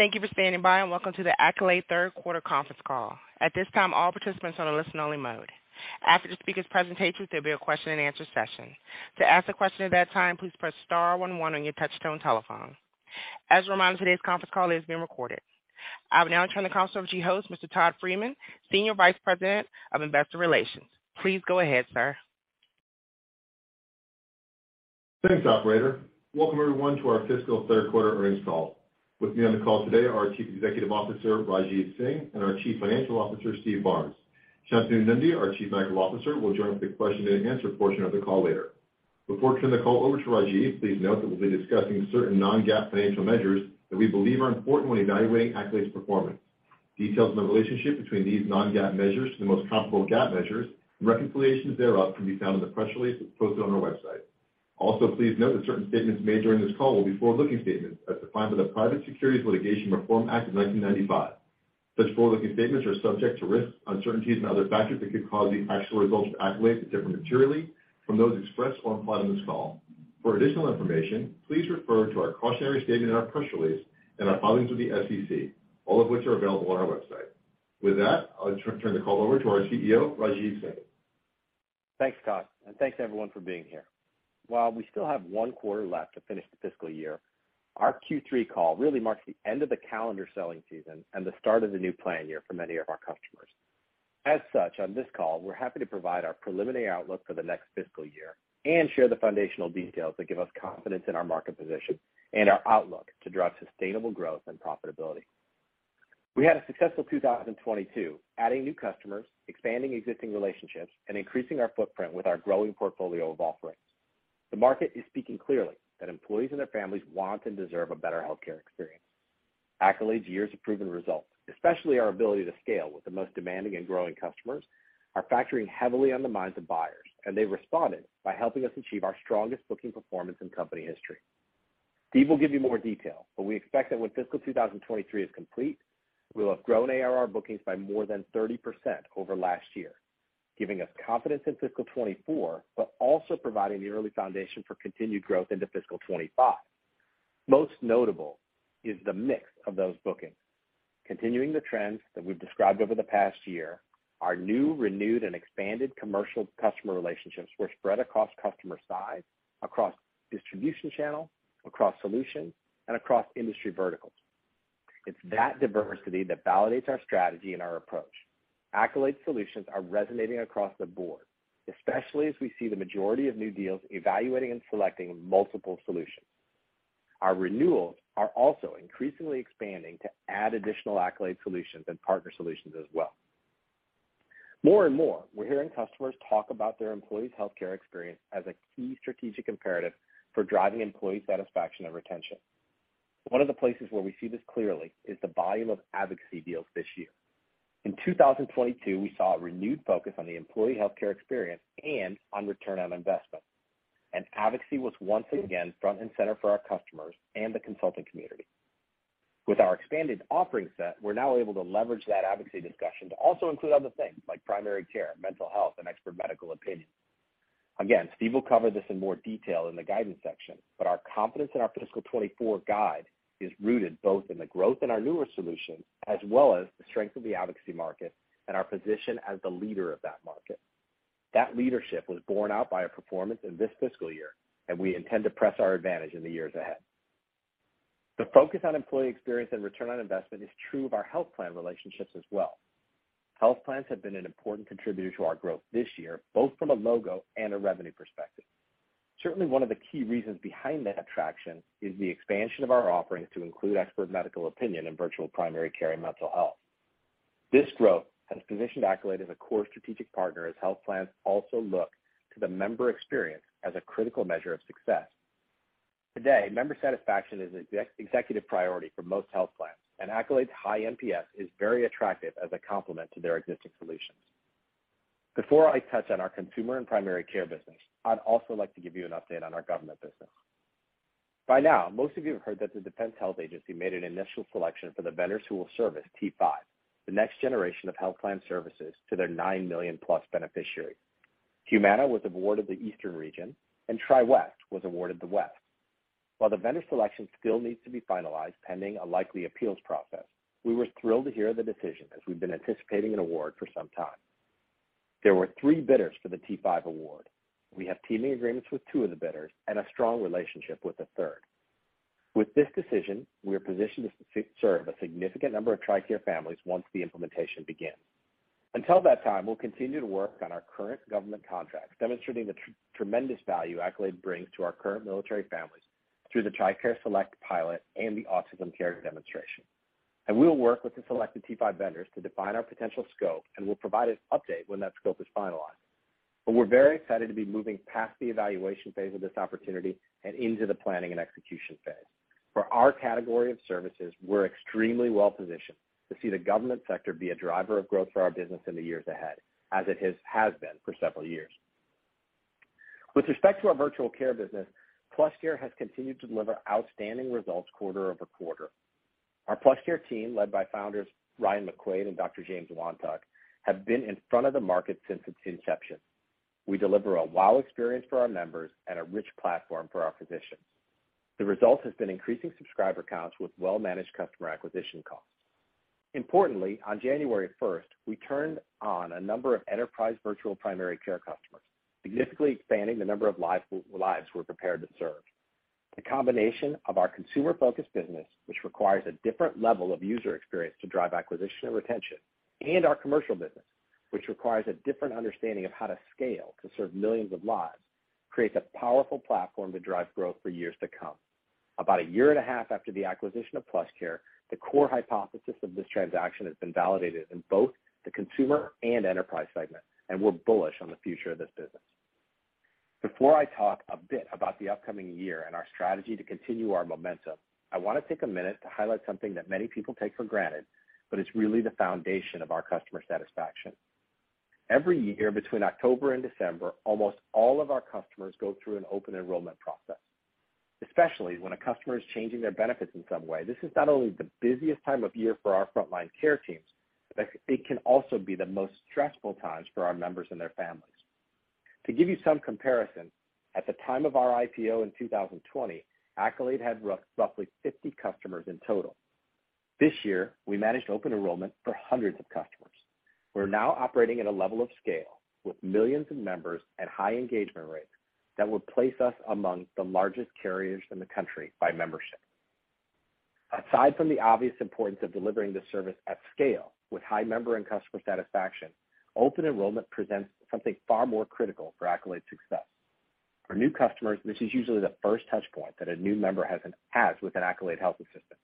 Thank you for standing by, and welcome to the Accolade third quarter conference call. At this time, all participants are on a listen only mode. After the speaker's presentation, there'll be a question and answer session. To ask a question at that time, please press star one one on your touchtone telephone. As a reminder, today's conference call is being recorded. I will now turn the call over to your host, Mr. Todd Friedman, Senior Vice President of Investor Relations. Please go ahead, sir. Thanks, operator. Welcome everyone to our fiscal third quarter earnings call. With me on the call today are our Chief Executive Officer, Rajeev Singh, and our Chief Financial Officer, Steve Barnes. Shantanu Nundy, our Chief Medical Officer, will join us for the question and answer portion of the call later. Before I turn the call over to Rajeev, please note that we'll be discussing certain non-GAAP financial measures that we believe are important when evaluating Accolade's performance. Details on the relationship between these non-GAAP measures to the most comparable GAAP measures and reconciliations thereof can be found in the press release posted on our website. Also, please note that certain statements made during this call will be forward-looking statements as defined by the Private Securities Litigation Reform Act of 1995. Such forward-looking statements are subject to risks, uncertainties and other factors that could cause the actual results of Accolade to differ materially from those expressed or implied on this call. For additional information, please refer to our cautionary statement in our press release and our filings with the SEC, all of which are available on our website. With that, I'll turn the call over to our CEO, Rajeev Singh. Thanks, Todd. Thanks everyone for being here. While we still have one quarter left to finish the fiscal year, our Q3 call really marks the end of the calendar selling season and the start of the new plan year for many of our customers. As such, on this call, we're happy to provide our preliminary outlook for the next fiscal year and share the foundational details that give us confidence in our market position and our outlook to drive sustainable growth and profitability. We had a successful 2022, adding new customers, expanding existing relationships, and increasing our footprint with our growing portfolio of offerings. The market is speaking clearly that employees and their families want and deserve a better healthcare experience. Accolade's years of proven results, especially our ability to scale with the most demanding and growing customers, are factoring heavily on the minds of buyers. They've responded by helping us achieve our strongest booking performance in company history. Steve will give you more detail. We expect that when fiscal 2023 is complete, we'll have grown ARR bookings by more than 30% over last year, giving us confidence in fiscal 2024. Also providing the early foundation for continued growth into fiscal 2025. Most notable is the mix of those bookings. Continuing the trends that we've described over the past year, our new, renewed, and expanded commercial customer relationships were spread across customer size, across distribution channel, across solutions, and across industry verticals. It's that diversity that validates our strategy and our approach. Accolade solutions are resonating across the board, especially as we see the majority of new deals evaluating and selecting multiple solutions. Our renewals are also increasingly expanding to add additional Accolade solutions and partner solutions as well. More and more, we're hearing customers talk about their employees' healthcare experience as a key strategic imperative for driving employee satisfaction and retention. One of the places where we see this clearly is the volume of advocacy deals this year. In 2022, we saw a renewed focus on the employee healthcare experience and on return on investment, and advocacy was once again front and center for our customers and the consulting community. With our expanded offering set, we're now able to leverage that advocacy discussion to also include other things like primary care, mental health, and Expert Medical Opinion. Again, Steve will cover this in more detail in the guidance section, but our confidence in our fiscal 2024 guide is rooted both in the growth in our newer solutions as well as the strength of the advocacy market and our position as the leader of that market. That leadership was borne out by our performance in this fiscal year, and we intend to press our advantage in the years ahead. The focus on employee experience and ROI is true of our health plan relationships as well. Health plans have been an important contributor to our growth this year, both from a logo and a revenue perspective. Certainly, one of the key reasons behind that traction is the expansion of our offerings to include Expert Medical Opinion in virtual primary care and mental health. This growth has positioned Accolade as a core strategic partner as health plans also look to the member experience as a critical measure of success. Today, member satisfaction is ex-executive priority for most health plans, Accolade's high NPS is very attractive as a complement to their existing solutions. Before I touch on our consumer and primary care business, I'd also like to give you an update on our government business. By now, most of you have heard that the Defense Health Agency made an initial selection for the vendors who will service T5, the next generation of health plan services to their 9 million-plus beneficiaries. Humana was awarded the Eastern region, TriWest was awarded the West. While the vendor selection still needs to be finalized pending a likely appeals process, we were thrilled to hear the decision as we've been anticipating an award for some time. There were three bidders for the T5 award. We have teaming agreements with two of the bidders and a strong relationship with the third. With this decision, we are positioned to serve a significant number of TRICARE families once the implementation begins. Until that time, we'll continue to work on our current government contracts, demonstrating the tremendous value Accolade brings to our current military families through the TRICARE Select pilot and the Autism Care Demonstration. We will work with the selected T5 vendors to define our potential scope, and we'll provide an update when that scope is finalized. We're very excited to be moving past the evaluation phase of this opportunity and into the planning and execution phase. For our category of services, we're extremely well positioned to see the government sector be a driver of growth for our business in the years ahead, as it has been for several years. With respect to our virtual care business, PlushCare has continued to deliver outstanding results quarter over quarter. Our PlushCare team, led by founders Ryan McQuaid and Dr. James Wantuck, have been in front of the market since its inception. We deliver a wow experience for our members and a rich platform for our physicians. The result has been increasing subscriber counts with well-managed customer acquisition costs. Importantly, on January 1st, we turned on a number of enterprise virtual primary care customers, significantly expanding the number of lives we're prepared to serve. The combination of our consumer-focused business, which requires a different level of user experience to drive acquisition and retention, and our commercial business, which requires a different understanding of how to scale to serve millions of lives, creates a powerful platform to drive growth for years to come. About a year and a half after the acquisition of PlushCare, the core hypothesis of this transaction has been validated in both the consumer and enterprise segment, we're bullish on the future of this business. Before I talk a bit about the upcoming year and our strategy to continue our momentum, I want to take a minute to highlight something that many people take for granted, but it's really the foundation of our customer satisfaction. Every year between October and December, almost all of our customers go through an open enrollment process. Especially when a customer is changing their benefits in some way, this is not only the busiest time of year for our frontline care teams, but it can also be the most stressful times for our members and their families. To give you some comparison, at the time of our IPO in 2020, Accolade had roughly 50 customers in total. This year, we managed open enrollment for hundreds of customers. We're now operating at a level of scale with millions of members at high engagement rates that will place us among the largest carriers in the country by membership. Aside from the obvious importance of delivering this service at scale with high member and customer satisfaction, open enrollment presents something far more critical for Accolade's success. For new customers, this is usually the first touch point that a new member has with an Accolade health assistant.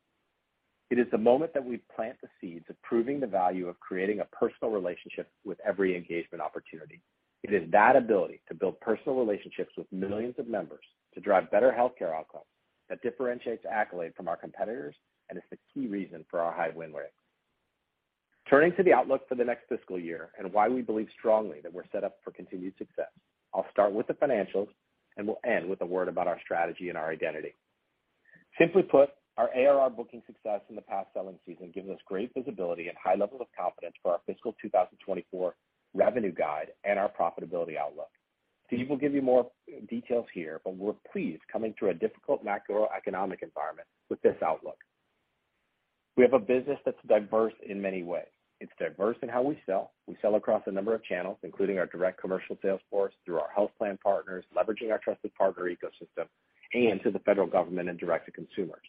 It is the moment that we plant the seeds of proving the value of creating a personal relationship with every engagement opportunity. It is that ability to build personal relationships with millions of members to drive better healthcare outcomes that differentiates Accolade from our competitors and is the key reason for our high win rate. Turning to the outlook for the next fiscal year and why we believe strongly that we're set up for continued success. I'll start with the financials, and we'll end with a word about our strategy and our identity. Simply put, our ARR booking success in the past selling season gives us great visibility and high level of confidence for our fiscal 2024 revenue guide and our profitability outlook. Steve will give you more details here, but we're pleased coming through a difficult macroeconomic environment with this outlook. We have a business that's diverse in many ways. It's diverse in how we sell. We sell across a number of channels, including our direct commercial sales force, through our health plan partners, leveraging our trusted partner ecosystem, and to the federal government and direct to consumers.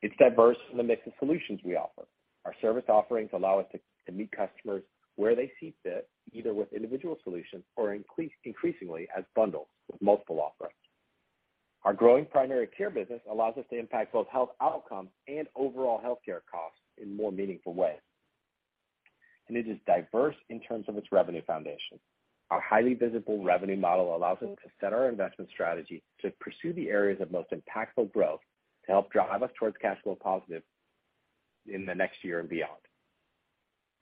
It's diverse in the mix of solutions we offer. Our service offerings allow us to meet customers where they see fit, either with individual solutions or increasingly as bundles with multiple offerings. Our growing primary care business allows us to impact both health outcomes and overall healthcare costs in more meaningful ways. It is diverse in terms of its revenue foundation. Our highly visible revenue model allows us to set our investment strategy to pursue the areas of most impactful growth to help drive us towards cash flow positive in the next year and beyond.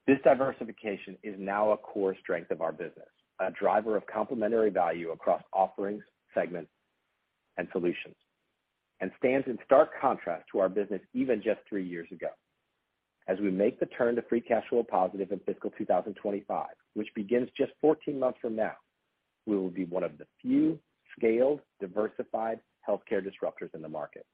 This diversification is now a core strength of our business, a driver of complementary value across offerings, segments, and solutions, and stands in stark contrast to our business even just three years ago. As we make the turn to free cash flow positive in fiscal 2025, which begins just 14 months from now, we will be one of the few scaled, diversified healthcare disruptors in the market.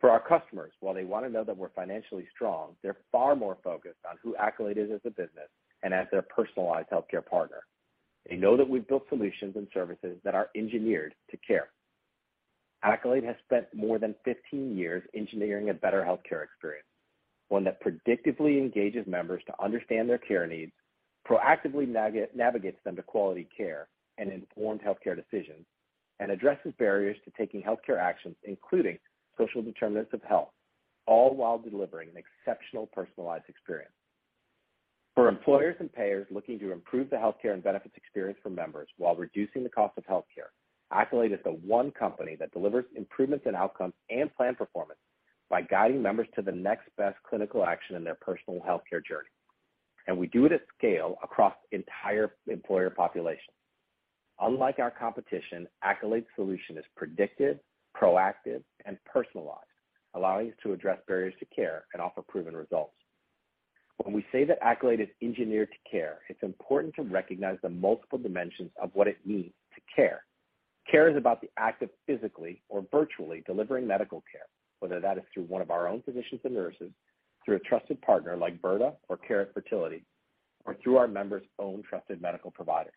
For our customers, while they want to know that we're financially strong, they're far more focused on who Accolade is as a business and as their personalized healthcare partner. They know that we've built solutions and services that are engineered to care. Accolade has spent more than 15 years engineering a better healthcare experience, one that predictively engages members to understand their care needs, proactively navigates them to quality care and informed healthcare decisions, and addresses barriers to taking healthcare actions, including social determinants of health, all while delivering an exceptional personalized experience. For employers and payers looking to improve the healthcare and benefits experience for members while reducing the cost of healthcare, Accolade is the one company that delivers improvements in outcomes and plan performance by guiding members to the next best clinical action in their personal healthcare journey. We do it at scale across entire employer populations. Unlike our competition, Accolade's solution is predictive, proactive and personalized, allowing us to address barriers to care and offer proven results. When we say that Accolade is engineered to care, it's important to recognize the multiple dimensions of what it means to care. Care is about the act of physically or virtually delivering medical care, whether that is through one of our own physicians and nurses, through a trusted partner like Carrot Fertility or Carrot Fertility, or through our members' own trusted medical providers.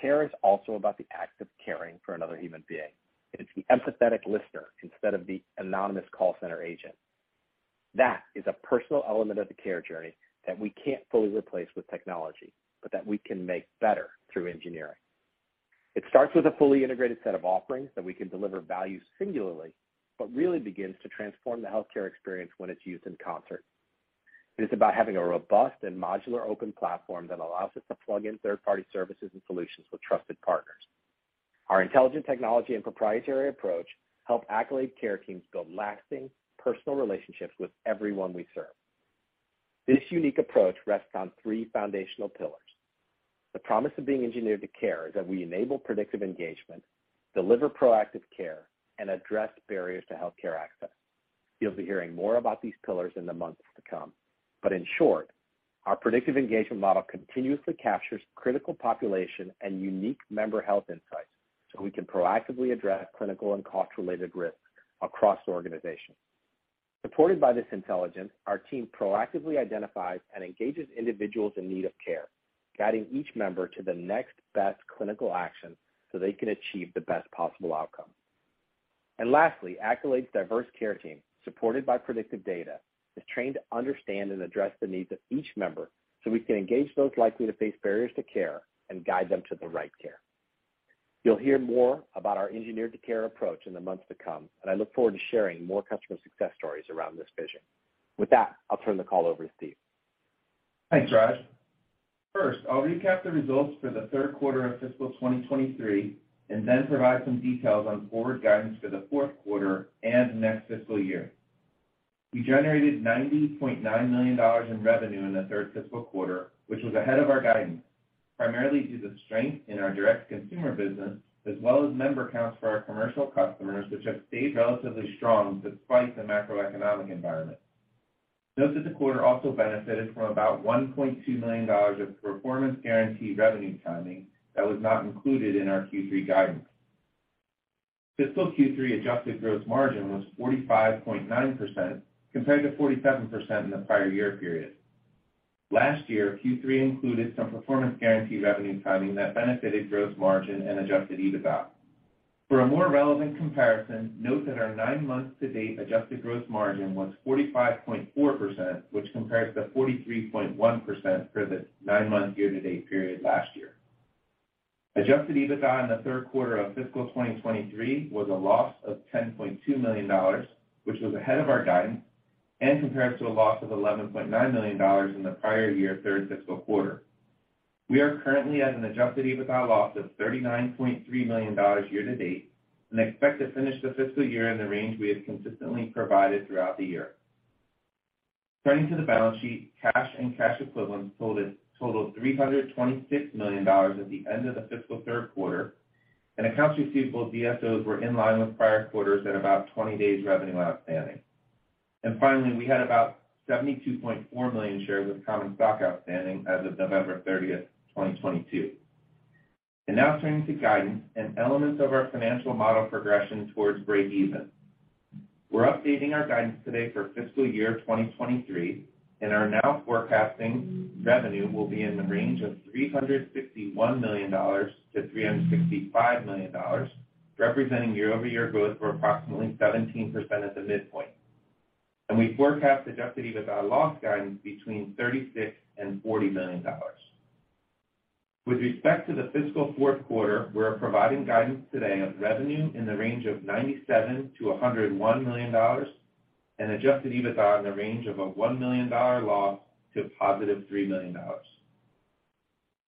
Care is also about the act of caring for another human being. It is the empathetic listener instead of the anonymous call center agent. That is a personal element of the care journey that we can't fully replace with technology, but that we can make better through engineering. It starts with a fully integrated set of offerings that we can deliver value singularly, but really begins to transform the healthcare experience when it's used in concert. It is about having a robust and modular open platform that allows us to plug in third-party services and solutions with trusted partners. Our intelligent technology and proprietary approach help Accolade care teams build lasting personal relationships with everyone we serve. This unique approach rests on three foundational pillars. The promise of being engineered to care is that we enable predictive engagement, deliver proactive care, and address barriers to healthcare access. You'll be hearing more about these pillars in the months to come. In short, our predictive engagement model continuously captures critical population and unique member health insights, so we can proactively address clinical and cost-related risks across the organization. Supported by this intelligence, our team proactively identifies and engages individuals in need of care, guiding each member to the next best clinical action so they can achieve the best possible outcome. Lastly, Accolade's diverse care team, supported by predictive data, is trained to understand and address the needs of each member, so we can engage those likely to face barriers to care and guide them to the right care. You'll hear more about our engineered care approach in the months to come, and I look forward to sharing more customer success stories around this vision. With that, I'll turn the call over to Steve. Thanks, Raj. First, I'll recap the results for the third quarter of fiscal 2023, and then provide some details on forward guidance for the fourth quarter and next fiscal year. We generated $90.9 million in revenue in the third fiscal quarter, which was ahead of our guidance, primarily due to strength in our direct consumer business, as well as member counts for our commercial customers, which have stayed relatively strong despite the macroeconomic environment. Note that the quarter also benefited from about $1.2 million of performance guarantee revenue timing that was not included in our Q3 guidance. Fiscal Q3 adjusted gross margin was 45.9% compared to 47% in the prior year period. Last year, Q3 included some performance guarantee revenue timing that benefited gross margin and adjusted EBITDA. For a more relevant comparison, note that our nine-month to date adjusted gross margin was 45.4%, which compares to 43.1% for the nine-month year-to-date period last year. Adjusted EBITDA in the third quarter of fiscal 2023 was a loss of $10.2 million, which was ahead of our guidance and compares to a loss of $11.9 million in the prior year third fiscal quarter. We are currently at an adjusted EBITDA loss of $39.3 million year-to-date and expect to finish the fiscal year in the range we have consistently provided throughout the year. Turning to the balance sheet, cash and cash equivalents totaled $326 million at the end of the fiscal third quarter, accounts receivable DSOs were in line with prior quarters at about 20 days revenue outstanding. Finally, we had about 72.4 million shares of common stock outstanding as of November 30th, 2022. Now turning to guidance and elements of our financial model progression towards breakeven. We're updating our guidance today for fiscal year 2023, are now forecasting revenue will be in the range of $361 million-$365 million, representing year-over-year growth of approximately 17% at the midpoint. We forecast adjusted EBITDA loss guidance between $36 million and $40 million. With respect to the fiscal fourth quarter, we're providing guidance today of revenue in the range of $97 million-$101 million and adjusted EBITDA in the range of a $1 million loss to positive $3 million.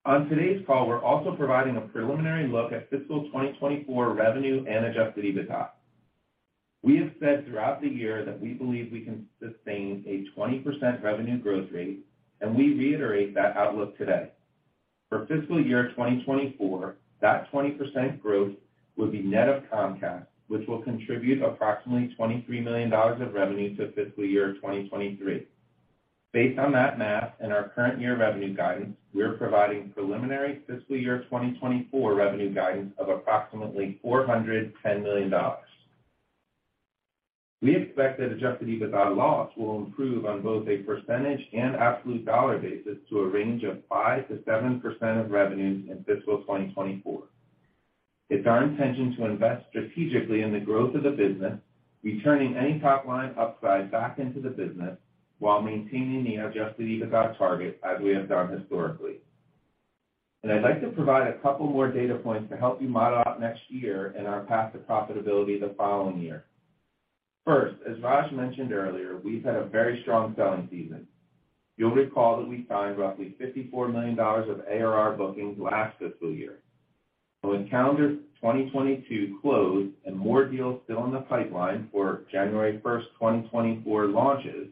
On today's call, we're also providing a preliminary look at fiscal 2024 revenue and adjusted EBITDA. We have said throughout the year that we believe we can sustain a 20% revenue growth rate, and we reiterate that outlook today. For fiscal year 2024, that 20% growth will be net of Comcast, which will contribute approximately $23 million of revenue to fiscal year 2023. Based on that math and our current year revenue guidance, we are providing preliminary fiscal year 2024 revenue guidance of approximately $410 million. We expect that adjusted EBITDA loss will improve on both a percentage and absolute dollar basis to a range of 5%-7% of revenues in fiscal 2024. It's our intention to invest strategically in the growth of the business, returning any top line upside back into the business while maintaining the adjusted EBITDA target as we have done historically. I'd like to provide a couple more data points to help you model out next year and our path to profitability the following year. First, as Raj mentioned earlier, we've had a very strong selling season. You'll recall that we signed roughly $54 million of ARR booking last fiscal year. With calendar 2022 closed and more deals still in the pipeline for January 1st, 2024 launches,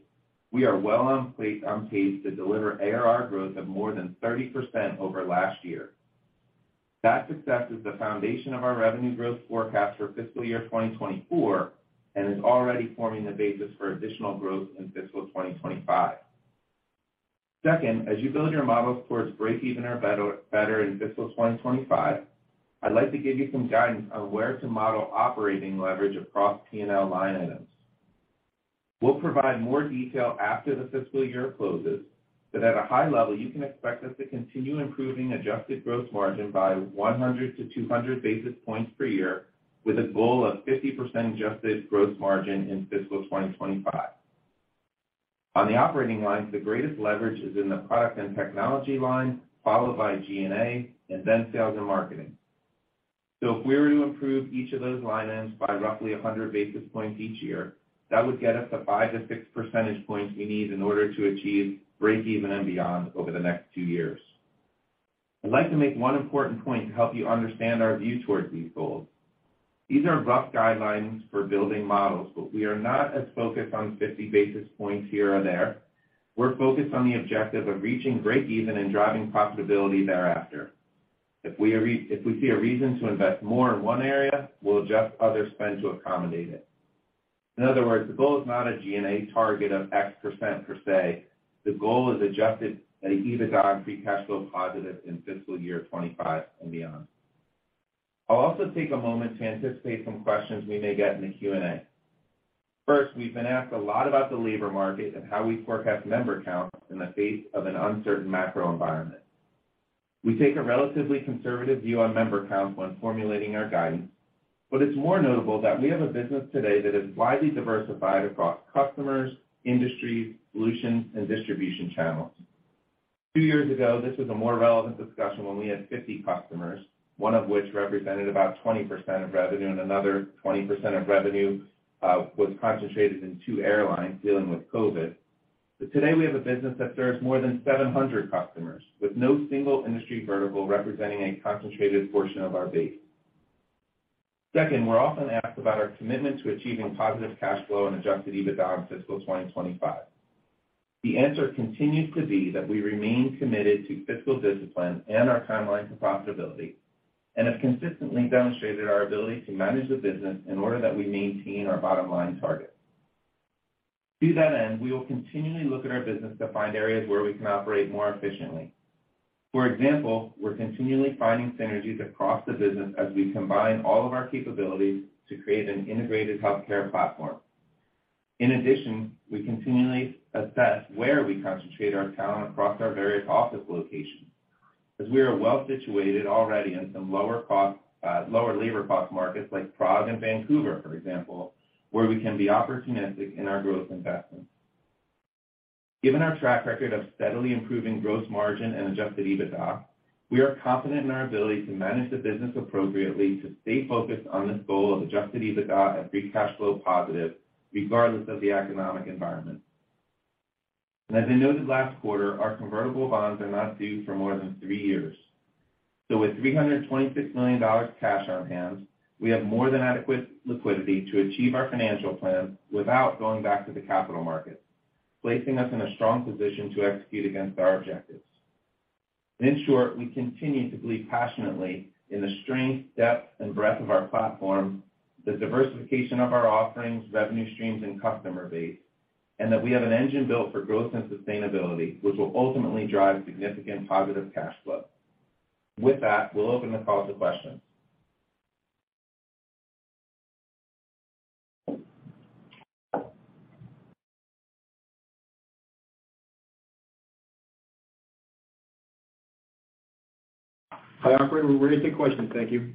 we are well on pace to deliver ARR growth of more than 30% over last year. That success is the foundation of our revenue growth forecast for fiscal year 2024 and is already forming the basis for additional growth in fiscal 2025. Second, as you build your model towards breakeven or better in fiscal 2025, I'd like to give you some guidance on where to model operating leverage across P&L line items. We'll provide more detail after the fiscal year closes, but at a high level, you can expect us to continue improving adjusted gross margin by 100-200 basis points per year with a goal of 50% adjusted gross margin in fiscal 2025. On the operating lines, the greatest leverage is in the product and technology line, followed by G&A and then sales and marketing. If we were to improve each of those line items by roughly 100 basis points each year, that would get us the 5-6 percentage points we need in order to achieve breakeven and beyond over the next two years. I'd like to make one important point to help you understand our view towards these goals. These are rough guidelines for building models, but we are not as focused on 50 basis points here or there. We're focused on the objective of reaching breakeven and driving profitability thereafter. If we see a reason to invest more in one area, we'll adjust other spend to accommodate it. In other words, the goal is not a G&A target of X percent per se. The goal is adjusted EBITDA and free cash flow positive in fiscal year 25 and beyond. I'll also take a moment to anticipate some questions we may get in the Q&A. We've been asked a lot about the labor market and how we forecast member count in the face of an uncertain macro environment. We take a relatively conservative view on member count when formulating our guidance, it's more notable that we have a business today that is widely diversified across customers, industries, solutions, and distribution channels. Two years ago, this was a more relevant discussion when we had 50 customers, one of which represented about 20% of revenue and another 20% of revenue was concentrated in two airlines dealing with COVID. Today, we have a business that serves more than 700 customers with no single industry vertical representing a concentrated portion of our base. Second, we're often asked about our commitment to achieving positive cash flow and adjusted EBITDA in fiscal 2025. The answer continues to be that we remain committed to fiscal discipline and our timeline to profitability and have consistently demonstrated our ability to manage the business in order that we maintain our bottom-line target. To that end, we will continually look at our business to find areas where we can operate more efficiently. For example, we're continually finding synergies across the business as we combine all of our capabilities to create an integrated healthcare platform. In addition, we continually assess where we concentrate our talent across our various office locations, as we are well-situated already in some lower cost, lower labor cost markets like Prague and Vancouver, for example, where we can be opportunistic in our growth investments. Given our track record of steadily improving gross margin and adjusted EBITDA, we are confident in our ability to manage the business appropriately to stay focused on this goal of adjusted EBITDA and free cash flow positive regardless of the economic environment. As I noted last quarter, our convertible bonds are not due for more than three years. With $326 million cash on hand, we have more than adequate liquidity to achieve our financial plan without going back to the capital market, placing us in a strong position to execute against our objectives. In short, we continue to believe passionately in the strength, depth, and breadth of our platform, the diversification of our offerings, revenue streams, and customer base, and that we have an engine built for growth and sustainability, which will ultimately drive significant positive cash flow. With that, we'll open the call to questions. Hi, Operator. We're ready to take questions. Thank you.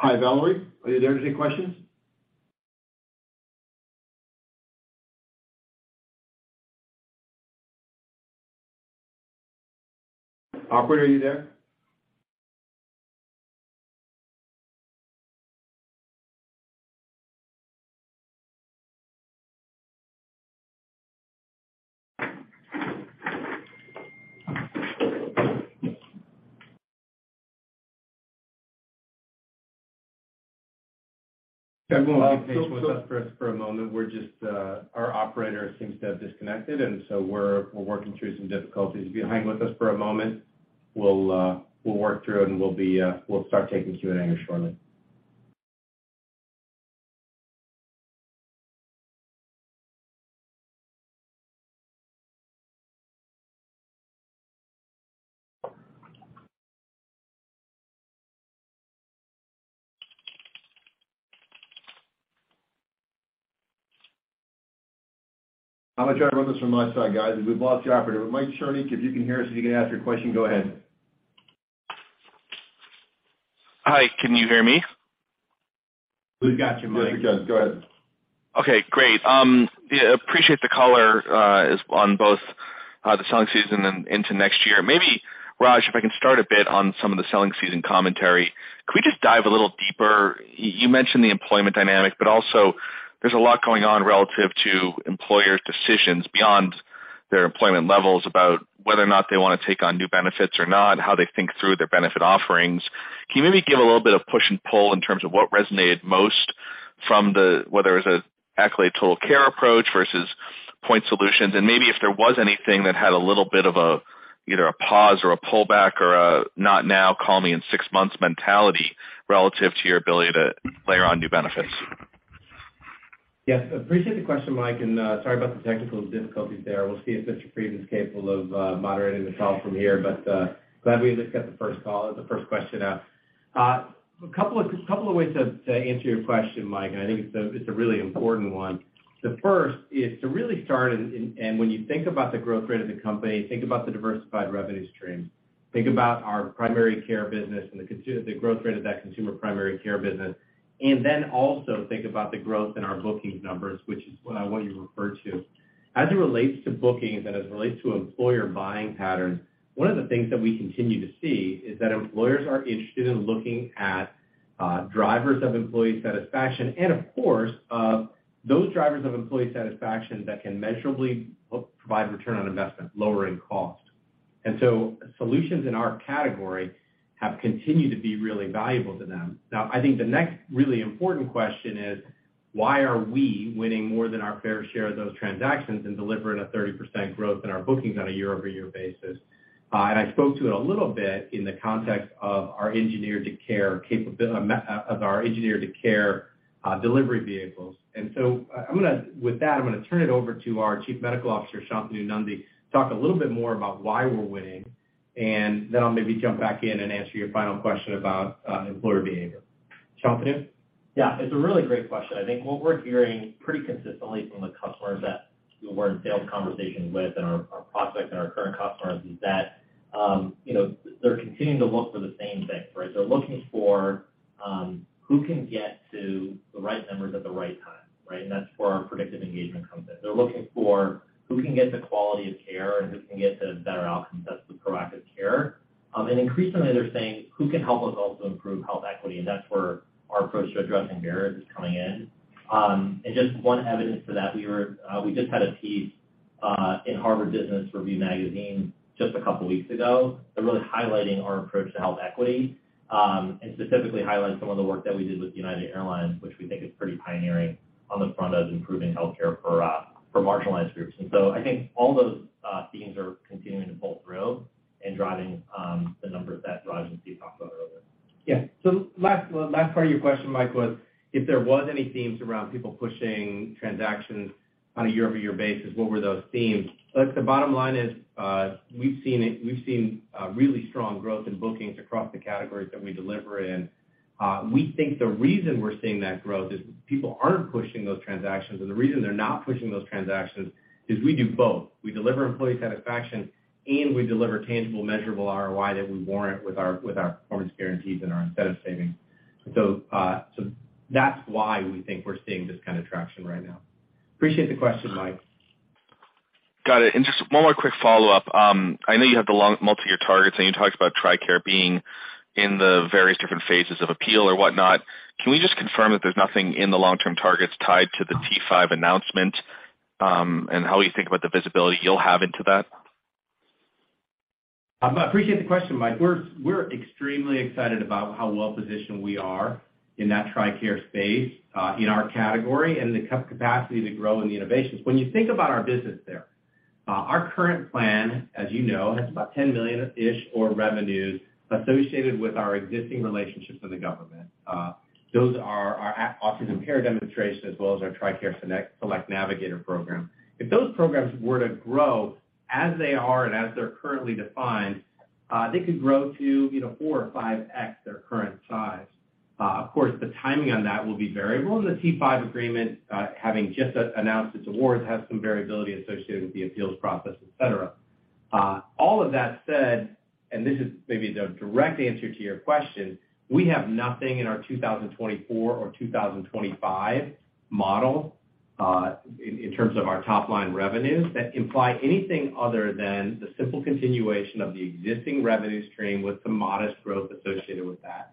Hi, Valerie, are you there? Any questions? Operator, are you there? Everyone, be patient with us for a moment. We're just Our operator seems to have disconnected, and so we're working through some difficulties. If you hang with us for a moment, we'll work through it, and we'll start taking Q&A here shortly. I'm gonna try to run this from my side, guys. We've lost the operator. Michael Cherny, if you can hear us, if you can ask your question, go ahead. Hi, can you hear me? We've got you, Mike. Yes, we can. Go ahead. Okay, great. Yeah, appreciate the color on both the selling season and into next year. Maybe, Raj, if I can start a bit on some of the selling season commentary. Could we just dive a little deeper? You mentioned the employment dynamic, but also there's a lot going on relative to employers' decisions beyond their employment levels about whether or not they wanna take on new benefits or not, how they think through their benefit offerings. Can you maybe give a little bit of push and pull in terms of what resonated most from the... whether it's an Accolade Total Care approach versus point solutions? Maybe if there was anything that had a little bit of a, either a pause or a pullback or a, "Not now, call me in six months," mentality relative to your ability to layer on new benefits. Yes. Appreciate the question, Mike, and sorry about the technical difficulties there. We'll see if Victor Prieb is capable of moderating the call from here. Glad we at least got the first call or the first question out. A couple of ways to answer your question, Mike, and I think it's a really important one. The first is to really start and when you think about the growth rate of the company, think about the diversified revenue stream. Think about our primary care business and the growth rate of that consumer primary care business. Then also think about the growth in our bookings numbers, which is what you referred to. As it relates to bookings and as it relates to employer buying patterns, one of the things that we continue to see is that employers are interested in looking at drivers of employee satisfaction and, of course, those drivers of employee satisfaction that can measurably provide return on investment, lowering cost. Solutions in our category have continued to be really valuable to them. Now, I think the next really important question is, why are we winning more than our fair share of those transactions and delivering a 30% growth in our bookings on a year-over-year basis? I spoke to it a little bit in the context of our engineer to care delivery vehicles. With that, I'm gonna turn it over to our Chief Medical Officer, Shantanu Nundy, to talk a little bit more about why we're winning, and then I'll maybe jump back in and answer your final question about employer behavior. Shantanu? Yeah. It's a really great question. I think what we're hearing pretty consistently from the customers that we're in sales conversations with and our prospects and our current customers is that, you know, they're continuing to look for the same things, right? They're looking for, who can get to the right members at the right time, right? That's where our predictive engagement comes in. They're looking for who can get the quality of care and who can get the better outcomes, that's the proactive care. Increasingly, they're saying, "Who can help us also improve health equity?" That's where our approach to addressing barriers is coming in. Just one evidence to that, we just had a piece in Harvard Business Review magazine just a couple weeks ago, really highlighting our approach to health equity, and specifically highlighting some of the work that we did with United Airlines, which we think is pretty pioneering on the front of improving healthcare for marginalized groups. I think all those themes are continuing to pull through and driving the numbers that Raj and Steve talked about earlier. Yeah. Last part of your question, Mike, was if there was any themes around people pushing transactions on a year-over-year basis, what were those themes? Look, the bottom line is, we've seen really strong growth in bookings across the categories that we deliver in. We think the reason we're seeing that growth is people aren't pushing those transactions, and the reason they're not pushing those transactions is we do both. We deliver employee satisfaction, and we deliver tangible, measurable ROI that we warrant with our performance guarantees and our incentive savings. That's why we think we're seeing this kind of traction right now. Appreciate the question, Mike. Got it. Just one more quick follow-up. I know you have the long multiyear targets, and you talked about TRICARE being in the various different phases of appeal or whatnot. Can we just confirm that there's nothing in the long-term targets tied to the T5 announcement, and how you think about the visibility you'll have into that? I appreciate the question, Mike. We're extremely excited about how well-positioned we are in that TRICARE space, in our category and the capacity to grow in the innovations. When you think about our business there, our current plan, as you know, has about $10 million-ish or revenues associated with our existing relationships with the government. Those are our Autism Care Demonstration, as well as our TRICARE Select Navigator program. If those programs were to grow as they are and as they're currently defined, they could grow to, you know, four or 5x their current size. Of course, the timing on that will be variable, and the T5 agreement, having just announced its awards, has some variability associated with the appeals process, et cetera. All of that said, this is maybe the direct answer to your question, we have nothing in our 2024 or 2025 model, in terms of our top-line revenues, that imply anything other than the simple continuation of the existing revenue stream with some modest growth associated with that.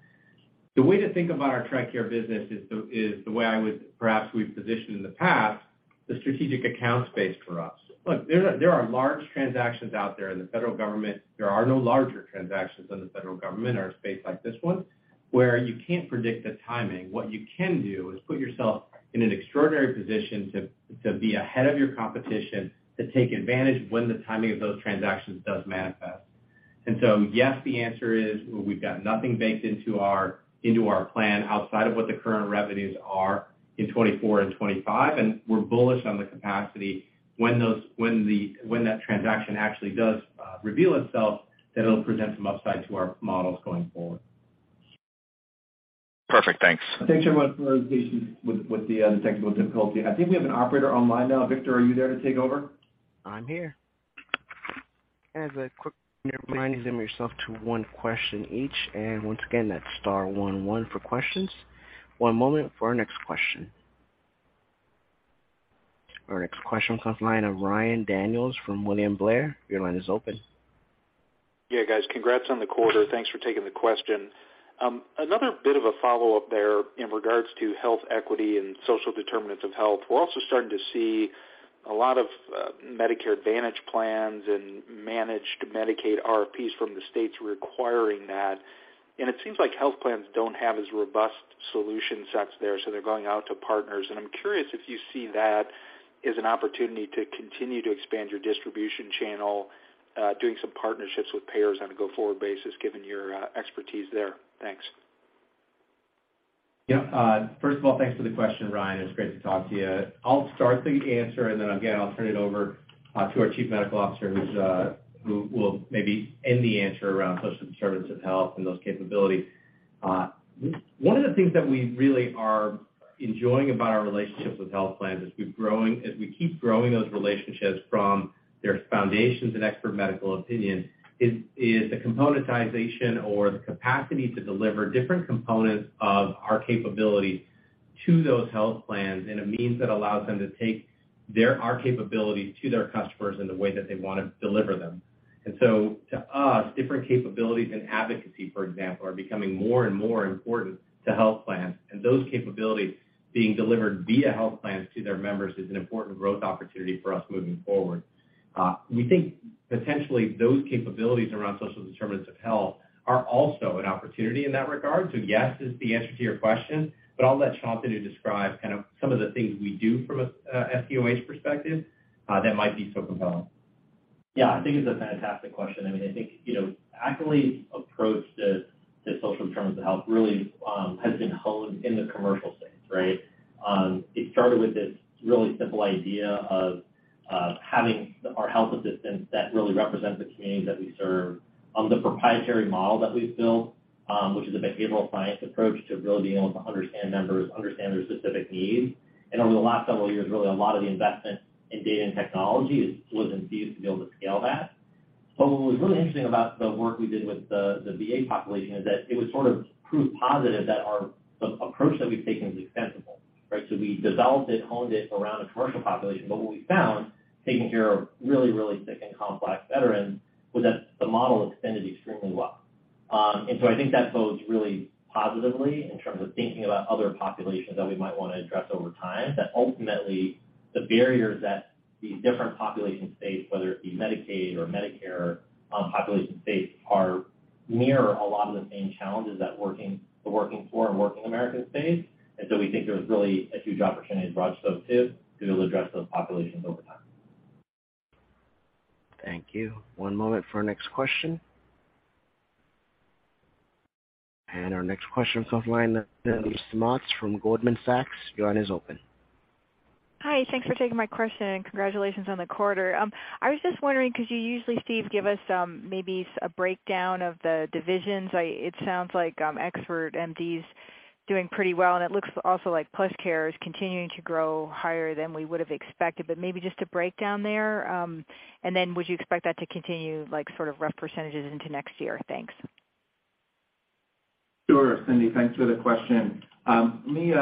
The way to think about our TRICARE business is the way I would, perhaps we've positioned in the past, the strategic account space for us. Look, there are large transactions out there in the federal government. There are no larger transactions than the federal government or a space like this one, where you can't predict the timing. What you can do is put yourself in an extraordinary position to be ahead of your competition, to take advantage of when the timing of those transactions does manifest. Yes, the answer is we've got nothing baked into our, into our plan outside of what the current revenues are in 2024 and 2025, and we're bullish on the capacity when that transaction actually does reveal itself, that it'll present some upside to our models going forward. Perfect. Thanks. Thanks, everyone, for your patience with the technical difficulty. I think we have an Operator online now. Victor, are you there to take over? I'm here. As a quick reminder, limit yourself to one question each. Once again, that's star one one for questions. One moment for our next question. Our next question comes line of Ryan Daniels from William Blair. Your line is open. Guys. Congrats on the quarter. Thanks for taking the question. Another bit of a follow-up there in regards to health equity and social determinants of health. We're also starting to see a lot of Medicare Advantage plans and managed Medicaid RFPs from the states requiring that, and it seems like health plans don't have as robust solution sets there, so they're going out to partners. I'm curious if you see that as an opportunity to continue to expand your distribution channel, doing some partnerships with payers on a go-forward basis, given your expertise there. Thanks. First of all, thanks for the question, Ryan. It's great to talk to you. I'll start the answer, then again, I'll turn it over to our Chief Medical Officer who's who will maybe end the answer around social determinants of health and those capabilities. One of the things that we really are enjoying about our relationships with health plans as we're growing, as we keep growing those relationships from their foundations and Expert Medical Opinion is, the componentization or the capacity to deliver different components of our capabilities to those health plans in a means that allows them to take their our capabilities to their customers in the way that they wanna deliver them. To us, different capabilities and advocacy, for example, are becoming more and more important to health plans, and those capabilities being delivered via health plans to their members is an important growth opportunity for us moving forward. We think potentially those capabilities around social determinants of health are also an opportunity in that regard. Yes is the answer to your question, but I'll let Shantanu describe kind of some of the things we do from a SDOH perspective that might be so compelling. Yeah. I think it's a fantastic question. I mean, I think, you know, Accolade's approach to social determinants of health really has been honed in the commercial space, right? It started with this really simple idea of having our health assistants that really represent the communities that we serve on the proprietary model that we've built, which is a behavioral science approach to really being able to understand members, understand their specific needs. Over the last several years, really a lot of the investment in data and technology is fluid and seeds to be able to scale that. What was really interesting about the work we did with the VA population is that it was sort of proof positive that the approach that we've taken is extensible, right? We developed it, honed it around a commercial population, but what we found taking care of really, really sick and complex veterans was that the model extended extremely well. I think that bodes really positively in terms of thinking about other populations that we might wanna address over time, that ultimately the barriers that these different population face, whether it be Medicaid or Medicare on population face are mirror a lot of the same challenges that working, the working poor and working Americans face. We think there's really a huge opportunity to Raj spoke to be able to address those populations over time. Thank you. One moment for our next question. Our next question comes from line of Cindy Motz from Goldman Sachs. Your line is open. Hi. Thanks for taking my question, and congratulations on the quarter. I was just wondering, 'cause you usually, Steve, give us maybe a breakdown of the divisions. It sounds like Expert MD's doing pretty well, and it looks also like PlushCare is continuing to grow higher than we would've expected, but maybe just a breakdown there. Would you expect that to continue like sort of rough percentages into next year? Thanks. Sure, Cindy. Thanks for the question. let me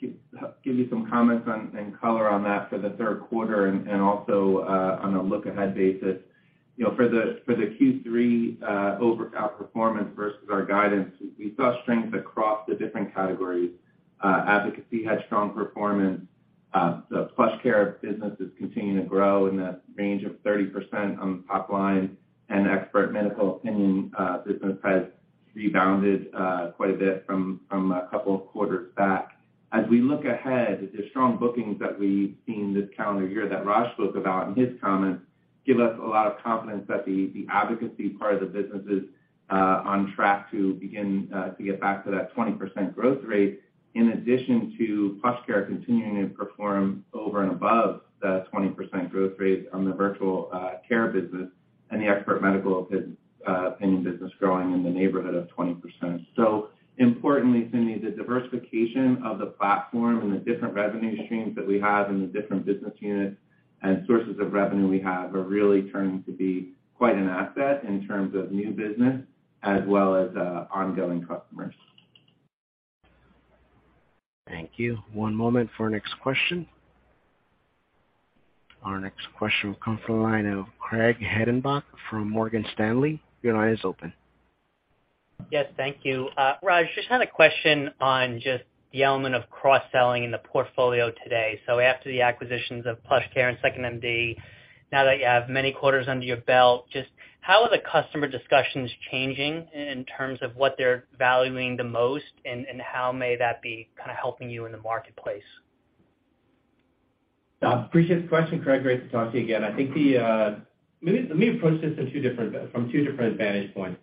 give you some comments on, and color on that for the third quarter and also on a look-ahead basis. You know, for the Q3 outperformance versus our guidance, we saw strength across the different categories. Advocacy had strong performance. The PlushCare business is continuing to grow in the range of 30% on the top line and Expert Medical Opinion business has rebounded quite a bit from two quarters back. As we look ahead, the strong bookings that we've seen this calendar year that Raj spoke about in his comments give us a lot of confidence that the advocacy part of the business is on track to begin to get back to that 20% growth rate, in addition to PlushCare continuing to perform over and above the 20% growth rate on the virtual care business and the Expert Medical Opinion business growing in the neighborhood of 20%. Importantly, Cindy, the diversification of the platform and the different revenue streams that we have in the different business units and sources of revenue we have are really turning to be quite an asset in terms of new business as well as ongoing customers. Thank you. One moment for our next question. Our next question will come from the line of Craig Hettenbach from Morgan Stanley. Your line is open. Yes. Thank you. Raj, just had a question on just the element of cross-selling in the portfolio today. After the acquisitions of PlushCare and 2nd.MD, now that you have many quarters under your belt, just how are the customer discussions changing in terms of what they're valuing the most and how may that be kinda helping you in the marketplace? Appreciate the question, Craig. Great to talk to you again. I think, let me, let me approach this from two different vantage points.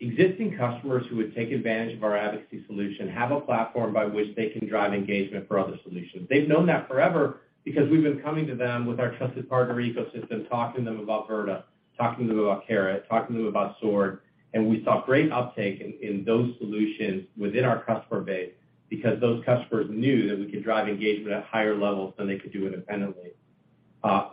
Existing customers who would take advantage of our advocacy solution have a platform by which they can drive engagement for other solutions. They've known that forever because we've been coming to them with our trusted partner ecosystem, talking to them about Virta, talking to them about Carrot, talking to them about Sword. We saw great uptake in those solutions within our customer base because those customers knew that we could drive engagement at higher levels than they could do independently.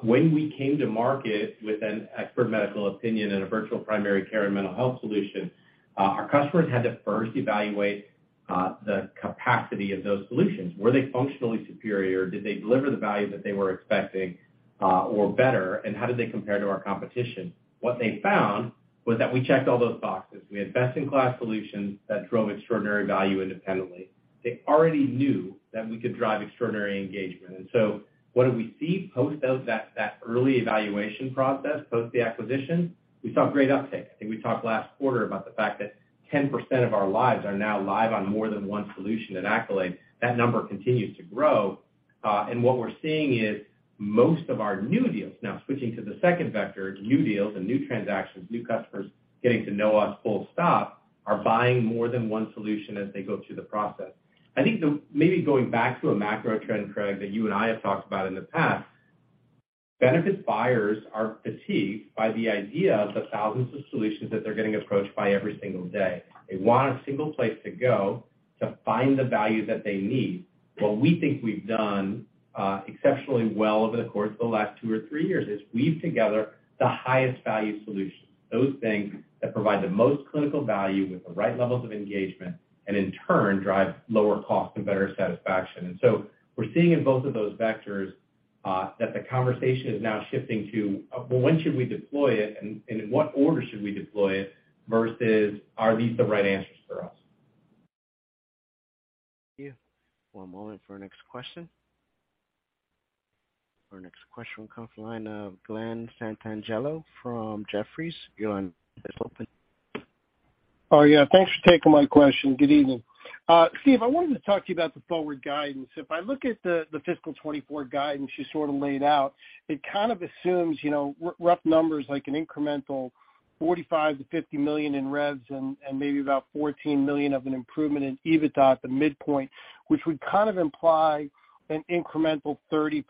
When we came to market with an Expert Medical Opinion and a virtual primary care and mental health solution, our customers had to first evaluate the capacity of those solutions. Were they functionally superior? Did they deliver the value that they were expecting, or better, and how did they compare to our competition? What they found was that we checked all those boxes. We had best-in-class solutions that drove extraordinary value independently. They already knew that we could drive extraordinary engagement. What did we see post that early evaluation process, post the acquisition? We saw great uptake. I think we talked last quarter about the fact that 10% of our lives are now live on more than one solution at Accolade. That number continues to grow. What we're seeing is most of our new deals now, switching to the second vector, new deals and new transactions, new customers getting to know us full stop, are buying more than one solution as they go through the process. I think maybe going back to a macro trend, Craig, that you and I have talked about in the past, benefit buyers are fatigued by the idea of the thousands of solutions that they're getting approached by every single day. They want a single place to go to find the value that they need. What we think we've done exceptionally well over the course of the last two or three years is weave together the highest value solutions, those things that provide the most clinical value with the right levels of engagement, and in turn, drive lower cost and better satisfaction. We're seeing in both of those vectors, that the conversation is now shifting to, well, when should we deploy it, and in what order should we deploy it, versus, are these the right answers for us? One moment for our next question. Our next question comes from the line of Glen Santangelo from Jefferies. Glen, your line is open. Oh, yeah, thanks for taking my question. Good evening. Steve, I wanted to talk to you about the forward guidance. If I look at the fiscal 2024 guidance you sort of laid out, it kind of assumes, you know, rough numbers like an incremental $45 million-$50 million in revs and maybe about $14 million of an improvement in EBITDA at the midpoint, which would kind of imply an incremental 30%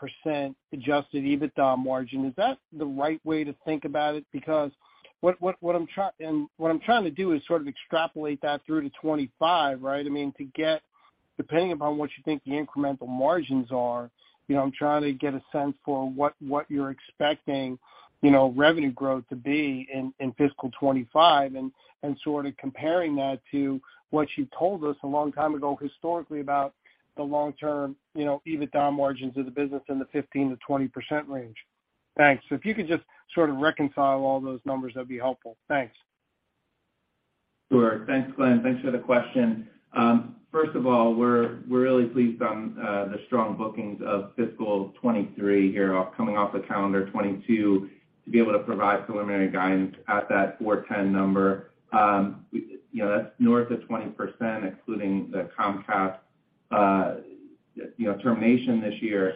adjusted EBITDA margin. Is that the right way to think about it? What I'm trying to do is sort of extrapolate that through to 2025, right? I mean, to get, depending upon what you think the incremental margins are, you know, I'm trying to get a sense for what you're expecting, you know, revenue growth to be in fiscal 2025, and sort of comparing that to what you told us a long time ago, historically, about the long term, you know, EBITDA margins of the business in the 15%-20% range. Thanks. If you could just sort of reconcile all those numbers, that'd be helpful. Thanks. Sure. Thanks, Glenn. Thanks for the question. First of all, we're really pleased on the strong bookings of fiscal 2023 here off, coming off the calendar 2022, to be able to provide preliminary guidance at that $410 number. You know, that's north of 20% including the Comcast, you know, termination this year.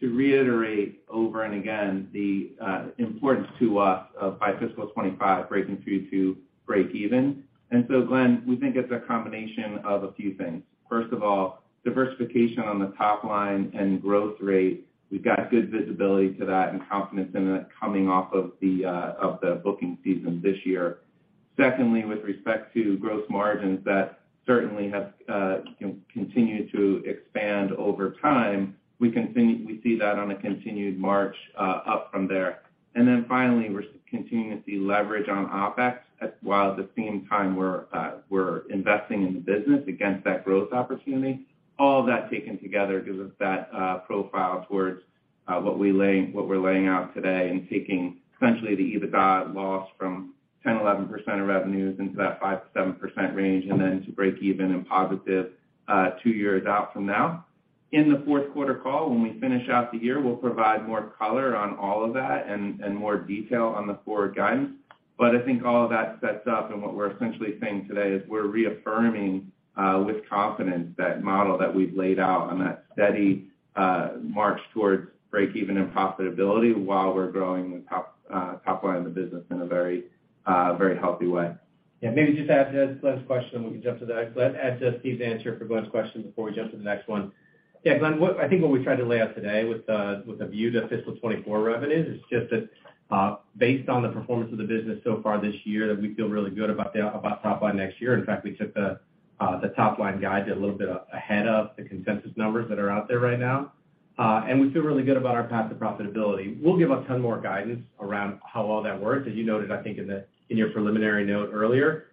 To reiterate over and again the importance to us of by fiscal 2025 breaking through to break even. Glenn, we think it's a combination of a few things. First of all, diversification on the top line and growth rate, we've got good visibility to that and confidence in that coming off of the booking season this year. Secondly, with respect to gross margins, that certainly have continue to expand over time. We see that on a continued march up from there. Finally, we're continuing to see leverage on OpEx, while at the same time we're investing in the business against that growth opportunity. All of that taken together gives us that profile towards what we're laying out today and taking essentially the EBITDA loss from 10%, 11% of revenues into that 5%-7% range, and then to break even and positive two years out from now. In the fourth quarter call, when we finish out the year, we'll provide more color on all of that and more detail on the forward guidance. I think all of that sets up and what we're essentially saying today is we're reaffirming, with confidence that model that we've laid out on that steady, march towards break even and profitability while we're growing the top line of the business in a very, very healthy way. Maybe just add to Glenn's question, and we can jump to the next. Add to Steve's answer for Glenn's question before we jump to the next one. Glenn, what I think what we tried to lay out today with a view to fiscal 2024 revenues is just that, based on the performance of the business so far this year, that we feel really good about the, about top line next year. In fact, we took the top line guide a little bit ahead of the consensus numbers that are out there right now. We feel really good about our path to profitability. We'll give a ton more guidance around how all that works. As you noted, I think in the, in your preliminary note earlier,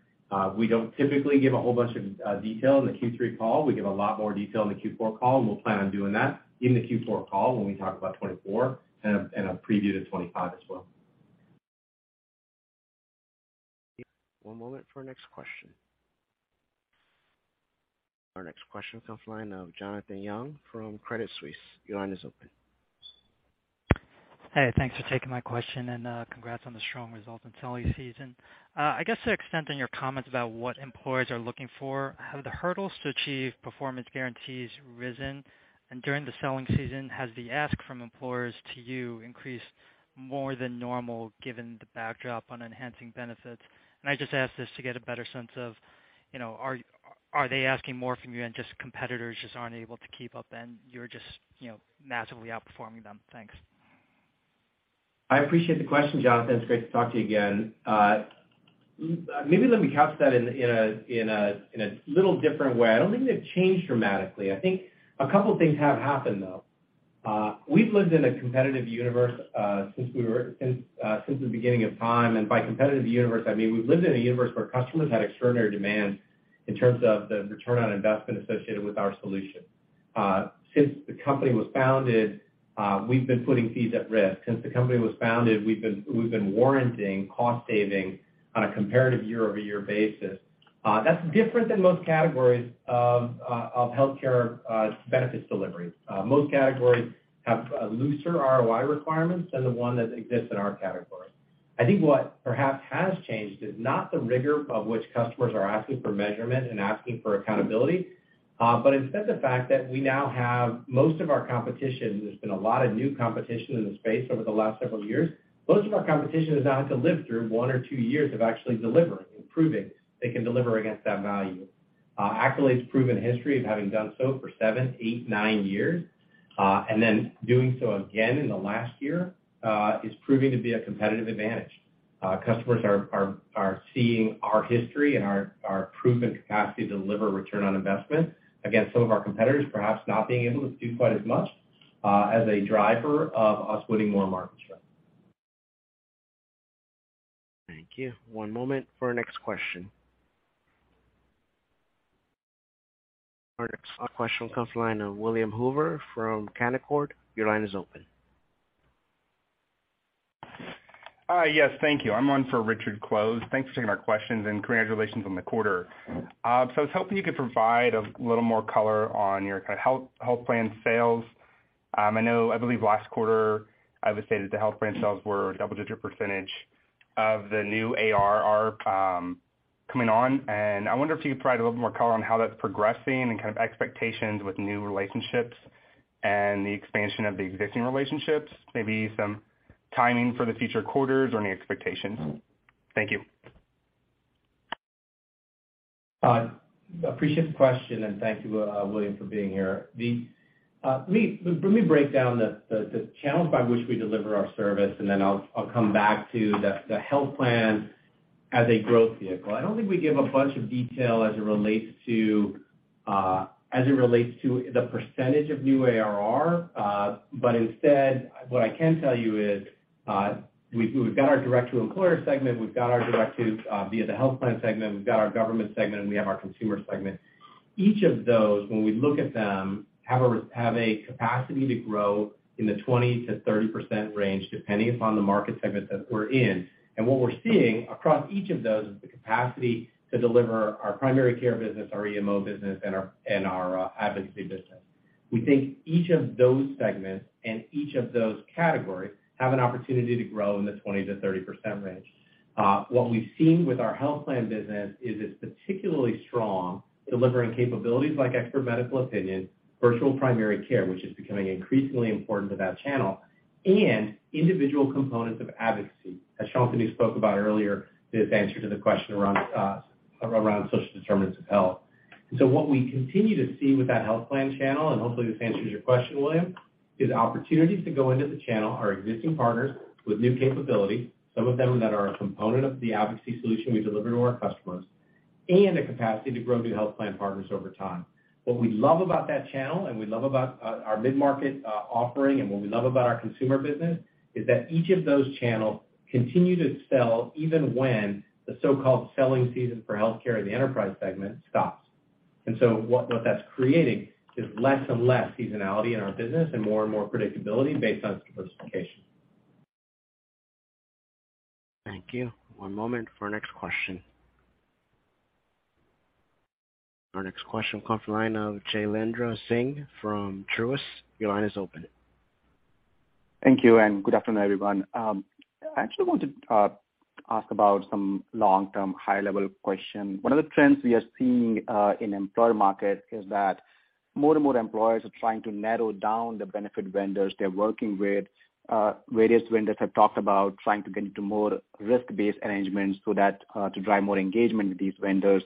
we don't typically give a whole bunch of, detail in the Q3 call. We give a lot more detail in the Q4 call, and we'll plan on doing that in the Q4 call when we talk about 2024 and a, and a preview to 2025 as well. One moment for our next question. Our next question comes from the line of Jonathan Yong from Credit Suisse. Your line is open. Hey, thanks for taking my question, congrats on the strong results in selling season. I guess to the extent in your comments about what employers are looking for, have the hurdles to achieve Performance Guarantees risen? During the selling season, has the ask from employers to you increased more than normal given the backdrop on enhancing benefits? I just ask this to get a better sense of, you know, are they asking more from you and just competitors just aren't able to keep up and you're just, you know, massively outperforming them? Thanks. I appreciate the question, Jonathan. It's great to talk to you again. Maybe let me couch that in a little different way. I don't think they've changed dramatically. I think a couple things have happened, though. We've lived in a competitive universe since the beginning of time. By competitive universe, I mean, we've lived in a universe where customers had extraordinary demand in terms of the return on investment associated with our solution. Since the company was founded, we've been putting fees at risk. Since the company was founded, we've been warranting cost saving on a comparative year-over-year basis. That's different than most categories of healthcare benefits delivery. Most categories have looser ROI requirements than the one that exists in our category. I think what perhaps has changed is not the rigor of which customers are asking for measurement and asking for accountability, but instead the fact that we now have most of our competition, there's been a lot of new competition in the space over the last several years. Most of our competition has now had to live through one or two years of actually delivering and proving they can deliver against that value. Accolade's proven history of having done so for seven, eight, nine years, and then doing so again in the last year, is proving to be a competitive advantage. Customers are seeing our history and our proven capacity to deliver ROI against some of our competitors, perhaps not being able to do quite as much, as a driver of us winning more market share. Thank you. One moment for our next question. Our next question comes from the line of William Hoover from Canaccord. Your line is open. Yes, thank you. I'm on for Richard Close. Thanks for taking our questions. Congratulations on the quarter. I was hoping you could provide a little more color on your kind of health plan sales. I know I believe last quarter, I would say that the health plan sales were a double-digit % of the new ARR coming on, and I wonder if you could provide a little more color on how that's progressing and kind of expectations with new relationships and the expansion of the existing relationships, maybe some timing for the future quarters or any expectations. Thank you. Appreciate the question. Thank you, William, for being here. Let me break down the challenge by which we deliver our service, and then I'll come back to the health plan as a growth vehicle. I don't think we give a bunch of detail as it relates to, as it relates to the percentage of new ARR. Instead, what I can tell you is, we've got our direct to employer segment, we've got our direct to, via the health plan segment, we've got our government segment, and we have our consumer segment. Each of those, when we look at them, have a capacity to grow in the 20%-30% range, depending upon the market segment that we're in. What we're seeing across each of those is the capacity to deliver our primary care business, our EMO business, and our advocacy business. We think each of those segments and each of those categories have an opportunity to grow in the 20%-30% range. What we've seen with our health plan business is it's particularly strong delivering capabilities like Expert Medical Opinion, virtual primary care, which is becoming increasingly important to that channel, and individual components of advocacy, as Sean Fody spoke about earlier with his answer to the question around social determinants of health. What we continue to see with that health plan channel, and hopefully this answers your question, William, is opportunities to go into the channel are existing partners with new capability, some of them that are a component of the advocacy solution we deliver to our customers, and a capacity to grow new health plan partners over time. What we love about that channel, and we love about our mid-market offering and what we love about our consumer business is that each of those channels continue to sell even when the so-called selling season for healthcare in the enterprise segment stops. What that's creating is less and less seasonality in our business and more and more predictability based on specification. Thank you. One moment for our next question. Our next question will come from the line of Jailendra Singh from Truist. Your line is open. Thank you. Good afternoon, everyone. I actually wanted to ask about some long-term high-level question. One of the trends we are seeing in employer market is that more and more employers are trying to narrow down the benefit vendors they're working with. Various vendors have talked about trying to get into more risk-based arrangements so that to drive more engagement with these vendors.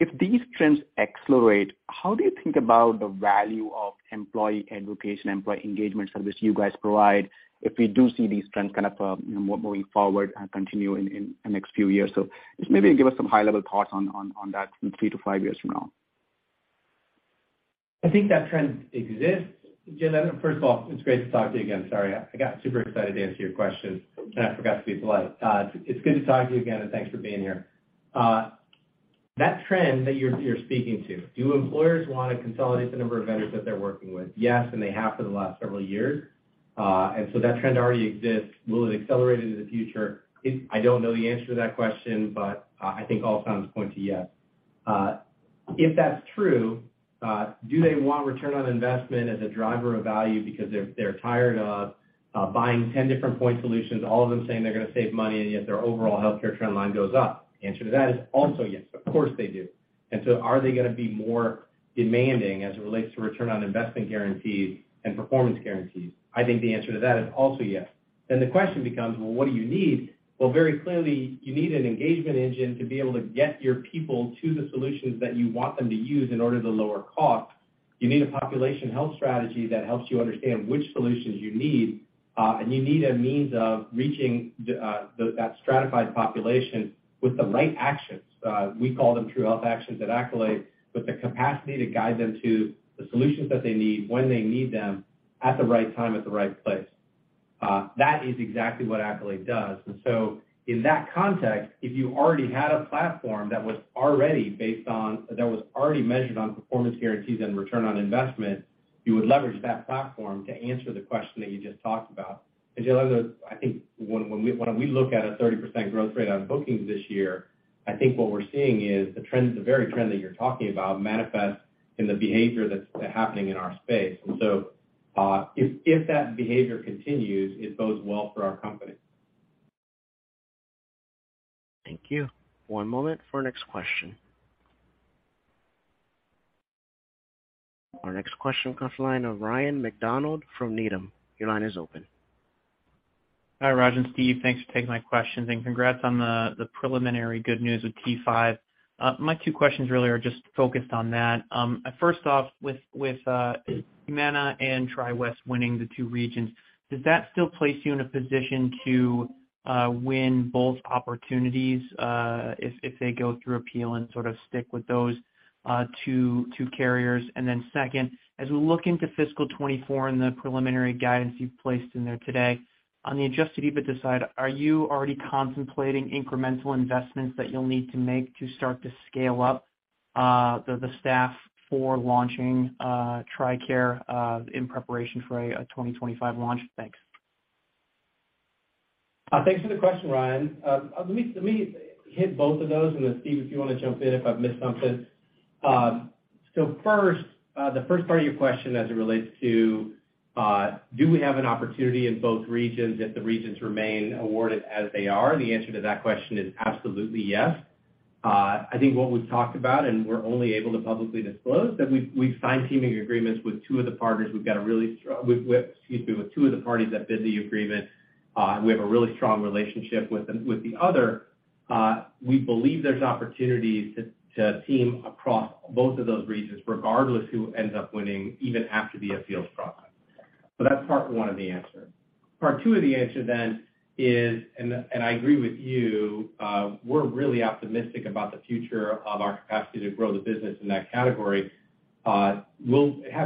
If these trends accelerate, how do you think about the value of employee education, employee engagement service you guys provide if we do see these trends kind of, you know, more moving forward and continue in the next few years? Just maybe give us some high-level thoughts on that 3-5 years from now. I think that trend exists. Jailendra, first of all, it's great to talk to you again. Sorry, I got super excited to answer your question, and I forgot to be polite. It's good to talk to you again. Thanks for being here. That trend that you're speaking to, do employers wanna consolidate the number of vendors that they're working with? Yes, and they have for the last several years. So that trend already exists. Will it accelerate into the future? I don't know the answer to that question, but I think all signs point to yes. If that's true, do they want return on investment as a driver of value because they're tired of buying 10 different point solutions, all of them saying they're gonna save money and yet their overall healthcare trend line goes up? The answer to that is also yes. Of course, they do. Are they gonna be more demanding as it relates to return on investment guarantees and performance guarantees? I think the answer to that is also yes. The question becomes, well, what do you need? Well, very clearly you need an engagement engine to be able to get your people to the solutions that you want them to use in order to lower costs. You need a population health strategy that helps you understand which solutions you need, and you need a means of reaching that stratified population with the right actions. We call them True Health Actions at Accolade, with the capacity to guide them to the solutions that they need, when they need them, at the right time, at the right place. That is exactly what Accolade does. In that context, if you already had a platform that was already measured on performance guarantees and return on investment, you would leverage that platform to answer the question that you just talked about. Jailendra, I think when we look at a 30% growth rate on bookings this year, I think what we're seeing is the trends, the very trend that you're talking about manifest in the behavior that's happening in our space. If that behavior continues, it bodes well for our company. Thank you. One moment for our next question. Our next question comes line of Ryan MacDonald from Needham. Your line is open. Hi, Raj and Steve. Thanks for taking my questions, and congrats on the preliminary good news with T5. My two questions really are just focused on that. First off, with Humana and TriWest winning the two regions, does that still place you in a position to win both opportunities if they go through appeal and sort of stick with those two carriers? Second, as we look into fiscal 2024 and the preliminary guidance you've placed in there today, on the adjusted EBITDA side, are you already contemplating incremental investments that you'll need to make to start to scale up? The, the staff for launching TRICARE in preparation for a 2025 launch. Thanks. Thanks for the question, Ryan. Let me hit both of those, and then Steve, if you wanna jump in if I've missed something. First, the first part of your question as it relates to, do we have an opportunity in both regions if the regions remain awarded as they are? The answer to that question is absolutely yes. I think what we've talked about, and we're only able to publicly disclose, that we've signed teaming agreements with two of the partners. Excuse me, with two of the parties that bid the agreement, and we have a really strong relationship with them. With the other, we believe there's opportunities to team across both of those regions, regardless who ends up winning even after the appeals process. That's part one of the answer. Part two of the answer is, I agree with you, we're really optimistic about the future of our capacity to grow the business in that category. Have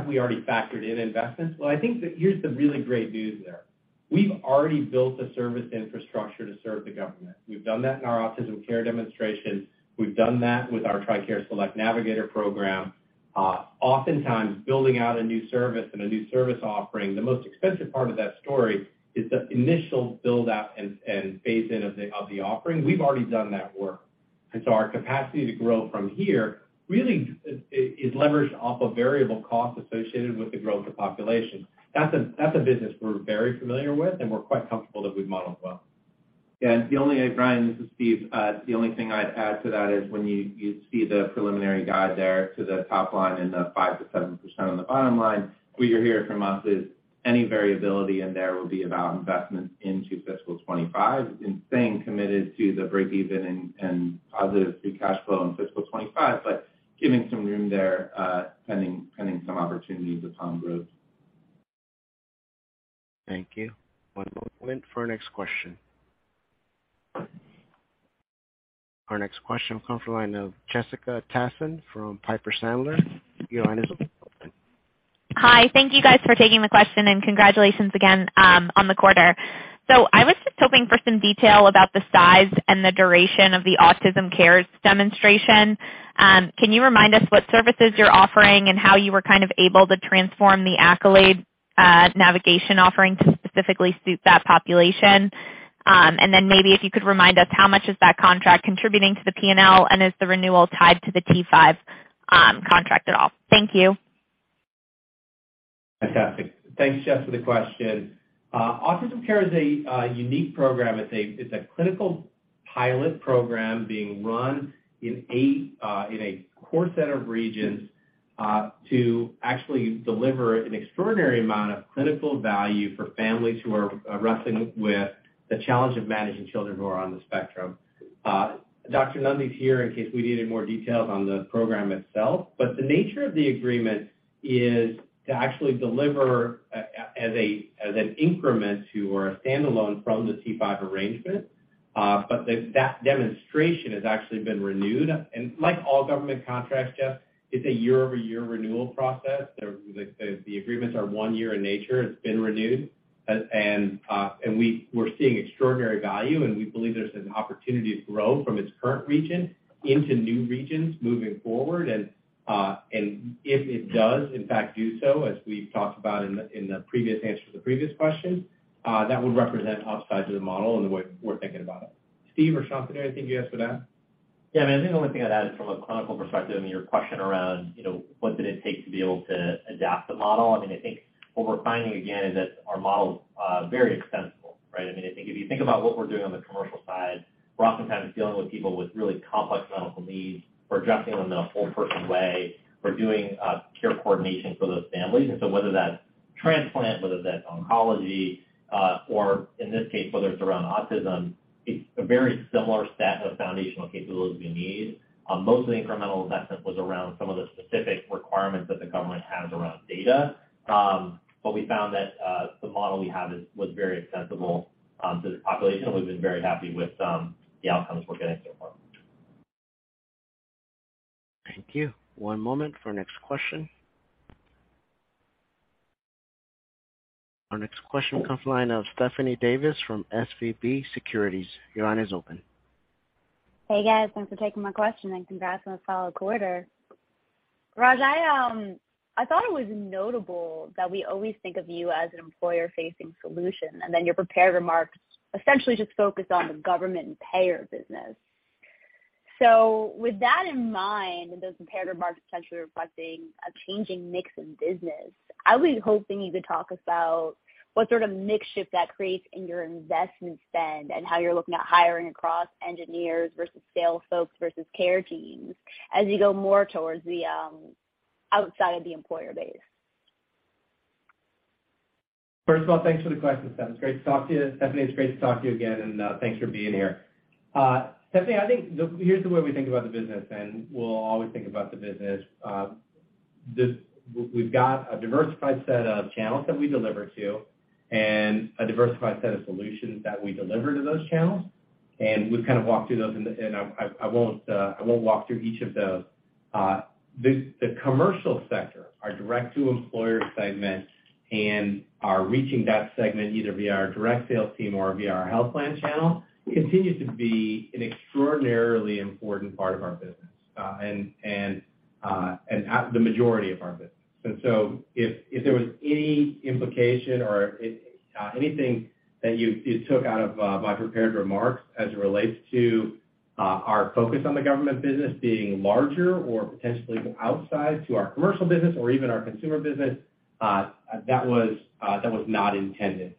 we already factored in investments? I think that here's the really great news there. We've already built the service infrastructure to serve the government. We've done that in our Autism Care Demonstration. We've done that with our TRICARE Select Navigator program. Oftentimes, building out a new service and a new service offering, the most expensive part of that story is the initial build-out and phase-in of the offering. We've already done that work. Our capacity to grow from here really is leveraged off of variable costs associated with the growth of population. That's a business we're very familiar with, and we're quite comfortable that we've modeled well. Ryan, this is Steve. The only thing I'd add to that is when you see the preliminary guide there to the top line and the 5%-7% on the bottom line, what you're hearing from us is any variability in there will be about investment into fiscal 2025 and staying committed to the break-even and positive free cash flow in fiscal 2025, but giving some room there, pending some opportunities with volume growth. Thank you. One moment for our next question. Our next question will come from the line of Jessica Tassan from Piper Sandler. Your line is open. Hi. Thank you guys for taking the question, congratulations again on the quarter. I was just hoping for some detail about the size and the duration of the Autism Care Demonstration. Can you remind us what services you're offering and how you were kind of able to transform the Accolade navigation offering to specifically suit that population? Maybe if you could remind us how much is that contract contributing to the P&L, and is the renewal tied to the T5 contract at all? Thank you. Fantastic. Thanks, Jess, for the question. Autism Care is a unique program. It's a clinical pilot program being run in 8 in a core set of regions to actually deliver an extraordinary amount of clinical value for families who are wrestling with the challenge of managing children who are on the spectrum. Dr. Lundy is here in case we needed more details on the program itself. The nature of the agreement is to actually deliver as a, as an increment to or a standalone from the T5 arrangement. That demonstration has actually been renewed. Like all government contracts, Jess, it's a year-over-year renewal process. The agreements are one year in nature. It's been renewed. We're seeing extraordinary value, and we believe there's an opportunity to grow from its current region into new regions moving forward. If it does, in fact, do so, as we've talked about in the previous answer to the previous question, that would represent upside to the model in the way we're thinking about it. Steve or Sean, is there anything to add to that? Yeah, I mean, I think the only thing I'd add is from a clinical perspective, I mean, your question around, you know, what did it take to be able to adapt the model. I mean, I think what we're finding again is that our model's very extensible, right? I mean, I think if you think about what we're doing on the commercial side, we're oftentimes dealing with people with really complex medical needs. We're addressing them in a whole-person way. We're doing care coordination for those families. Whether that's transplant, whether that's oncology, or in this case, whether it's around autism, it's a very similar set of foundational capabilities we need. Most of the incremental investment was around some of the specific requirements that the government has around data. We found that the model we have is, was very accessible to the population. We've been very happy with the outcomes we're getting so far. Thank you. One moment for our next question. Our next question comes from the line of Stephanie Davis from SVB Securities. Your line is open. Hey, guys. Thanks for taking my question, and congrats on a solid quarter. Raj, I thought it was notable that we always think of you as an employer-facing solution, then your prepared remarks essentially just focus on the government and payer business. With that in mind, and those prepared remarks potentially reflecting a changing mix in business, I was hoping you could talk about what sort of mix shift that creates in your investment spend and how you're looking at hiring across engineers versus sales folks versus care teams as you go more towards the outside the employer base. First of all, thanks for the question, Steph. It's great to talk to you. Stephanie, it's great to talk to you again, and thanks for being here. Stephanie, I think here's the way we think about the business and we'll always think about the business. We've got a diversified set of channels that we deliver to and a diversified set of solutions that we deliver to those channels, and we've kind of walked through those in the. I won't walk through each of those. The commercial sector, our direct-to-employer segment and our reaching that segment, either via our direct sales team or via our health plan channel, continues to be an extraordinarily important part of our business, and, at, the majority of our business. If, if there was any implication or if, anything that you took out of, my prepared remarks as it relates to, our focus on the government business being larger or potentially outsized to our commercial business or even our consumer business, that was, that was not intended.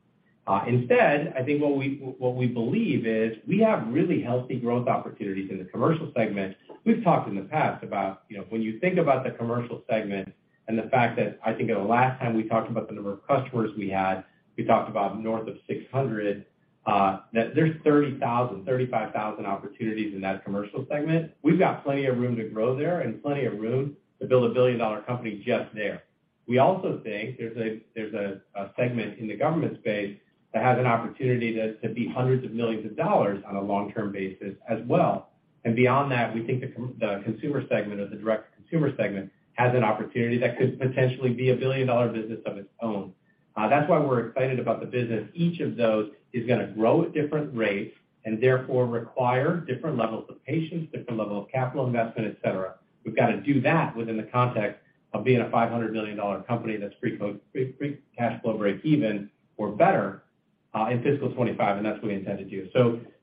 Instead, I think what we, what we believe is we have really healthy growth opportunities in the commercial segment. We've talked in the past about, you know, when you think about the commercial segment and the fact that I think the last time we talked about the number of customers we had, we talked about north of 600, that there's 30,000, 35,000 opportunities in that commercial segment. We've got plenty of room to grow there and plenty of room to build a billion-dollar company just there. We also think there's a segment in the government space that has an opportunity to be hundreds of millions of dollars on a long-term basis as well. Beyond that, we think the consumer segment or the direct-to-consumer segment has an opportunity that could potentially be a billion-dollar business of its own. That's why we're excited about the business. Each of those is gonna grow at different rates and therefore require different levels of patience, different level of capital investment, et cetera. We've got to do that within the context of being a five hundred million dollar company that's free cash flow breakeven or better in fiscal 2025, and that's what we intend to do.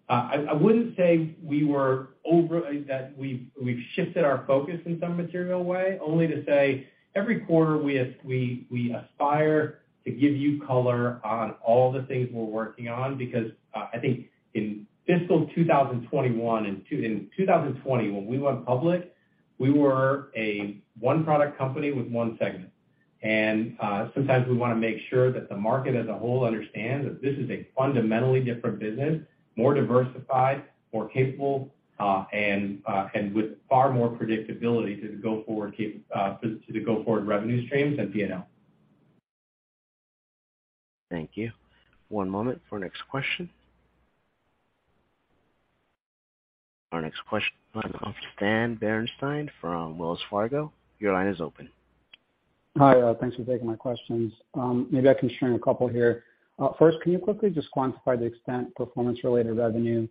I wouldn't say we were over... That we've shifted our focus in some material way, only to say every quarter we aspire to give you color on all the things we're working on because I think in fiscal 2021 and in 2020, when we went public, we were a one-product company with one segment. Sometimes we wanna make sure that the market as a whole understands that this is a fundamentally different business, more diversified, more capable, and with far more predictability to the go-forward revenue streams than EMO. Thank you. One moment for next question. Our next question comes from Stan Berenshteyn from Wells Fargo. Your line is open. Hi. Thanks for taking my questions. Maybe I can string a couple here. First, can you quickly just quantify the extent performance-related revenue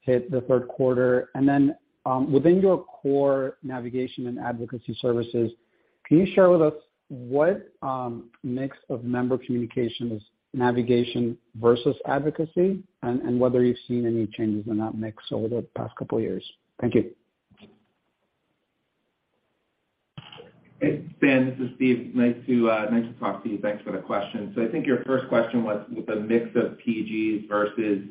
hit the third quarter? Within your core navigation and advocacy services, can you share with us what mix of member communication is navigation versus advocacy, and whether you've seen any changes in that mix over the past couple of years? Thank you. Hey, Stan, this is Steve. Nice to nice to talk to you. Thanks for the question. I think your first question was with the mix of PGs versus,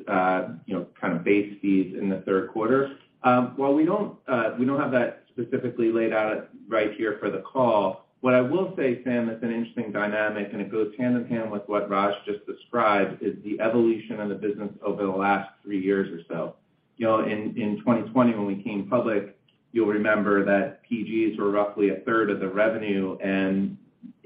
you know, kind of base fees in the third quarter. While we don't, we don't have that specifically laid out right here for the call, what I will say, Stan, it's an interesting dynamic, and it goes hand in hand with what Raj just described, is the evolution of the business over the last three years or so. In 2020 when we came public, you'll remember that PGs were roughly a third of the revenue and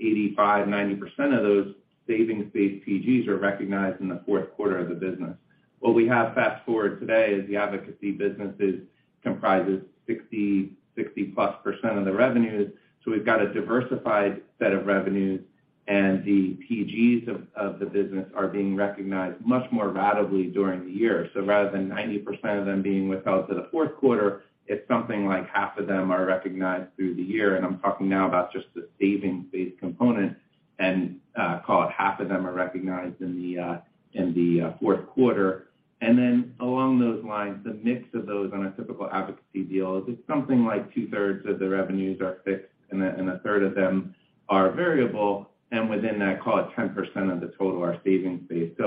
85%-90% of those savings-based PGs are recognized in the fourth quarter of the business. What we have fast forward today is the advocacy businesses comprises 60%, 60-plus percent of the revenues. We've got a diversified set of revenues, and the PGs of the business are being recognized much more ratably during the year. Rather than 90% of them being withheld to the fourth quarter, it's something like half of them are recognized through the year. I'm talking now about just the savings-based component, and call it half of them are recognized in the fourth quarter. Along those lines, the mix of those on a typical advocacy deal is it's something like two-thirds of the revenues are fixed and a third of them are variable. Within that, call it 10% of the total are savings-based.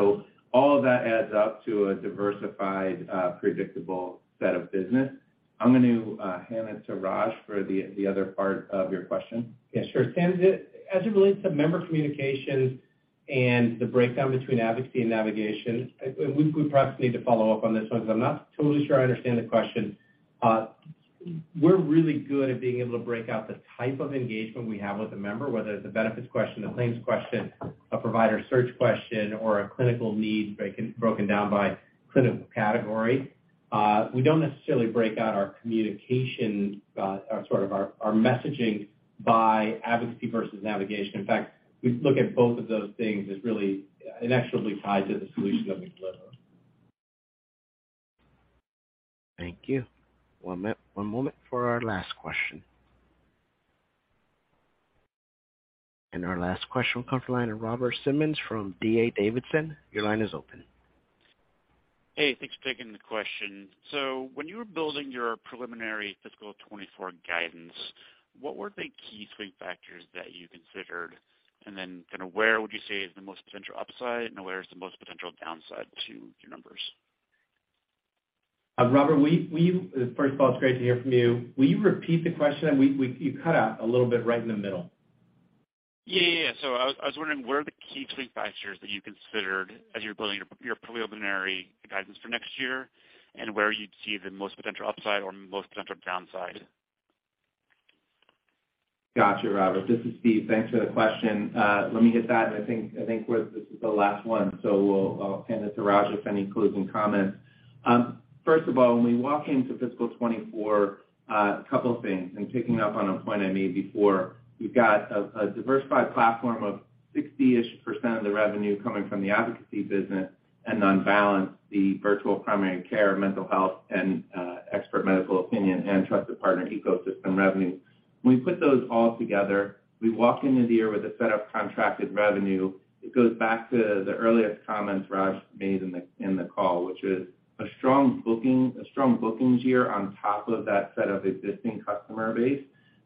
All of that adds up to a diversified, predictable set of business. I'm gonna hand it to Raj for the other part of your question. Yeah, sure. Stan, as it relates to member communications and the breakdown between advocacy and navigation, we perhaps need to follow up on this one because I'm not totally sure I understand the question. We're really good at being able to break out the type of engagement we have with a member, whether it's a benefits question, a claims question, a provider search question, or a clinical need broken down by clinical category. We don't necessarily break out our communication or sort of our messaging by advocacy versus navigation. In fact, we look at both of those things as really inexorably tied to the solution that we deliver. Thank you. One moment for our last question. Our last question will come from the line of Robert Simmons from D.A. Davidson. Your line is open. Hey, thanks for taking the question. When you were building your preliminary fiscal 2024 guidance, what were the key swing factors that you considered? Kinda where would you say is the most potential upside and where is the most potential downside to your numbers? Robert, First of all, it's great to hear from you. Will you repeat the question? You cut out a little bit right in the middle. Yeah. Yeah. Yeah. I was wondering where are the key swing factors that you considered as you're building your preliminary guidance for next year, and where you'd see the most potential upside or most potential downside? Gotcha, Robert. This is Steve. Thanks for the question. Let me hit that, and I think this is the last one, so I'll hand it to Raj if any closing comments. First of all, when we walk into fiscal 2024, a couple things, and picking up on a point I made before, we've got a diversified platform of 60%-ish of the revenue coming from the advocacy business and on balance the virtual primary care, mental health, and Expert Medical Opinion and trusted partner ecosystem revenue. When we put those all together, we walk into the year with a set of contracted revenue. It goes back to the earlier comments Raj made in the call, which is a strong bookings year on top of that set of existing customer base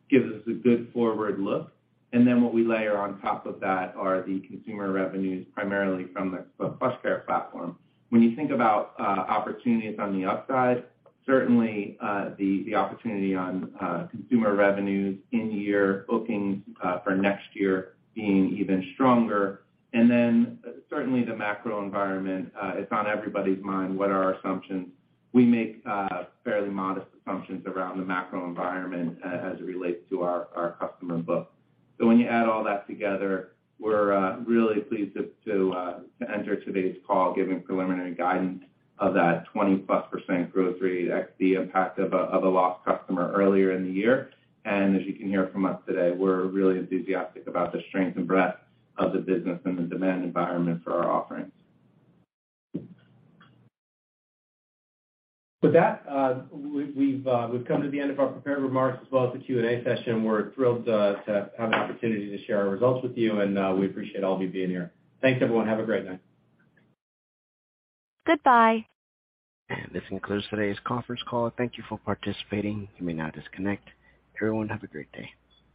gives us a good forward look, and then what we layer on top of that are the consumer revenues, primarily from the PlushCare platform. When you think about opportunities on the upside, certainly the opportunity on consumer revenues in year bookings for next year being even stronger. Certainly the macro environment, it's on everybody's mind what are our assumptions? We make fairly modest assumptions around the macro environment as it relates to our customer book. When you add all that together, we're really pleased to enter today's call giving preliminary guidance of that 20-plus % growth rate ex the impact of a lost customer earlier in the year. As you can hear from us today, we're really enthusiastic about the strength and breadth of the business and the demand environment for our offerings. With that, we've come to the end of our prepared remarks as well as the Q&A session. We're thrilled to have an opportunity to share our results with you, and we appreciate all of you being here. Thanks, everyone. Have a great night. Goodbye. This concludes today's conference call. Thank you for participating. You may now disconnect. Everyone, have a great day.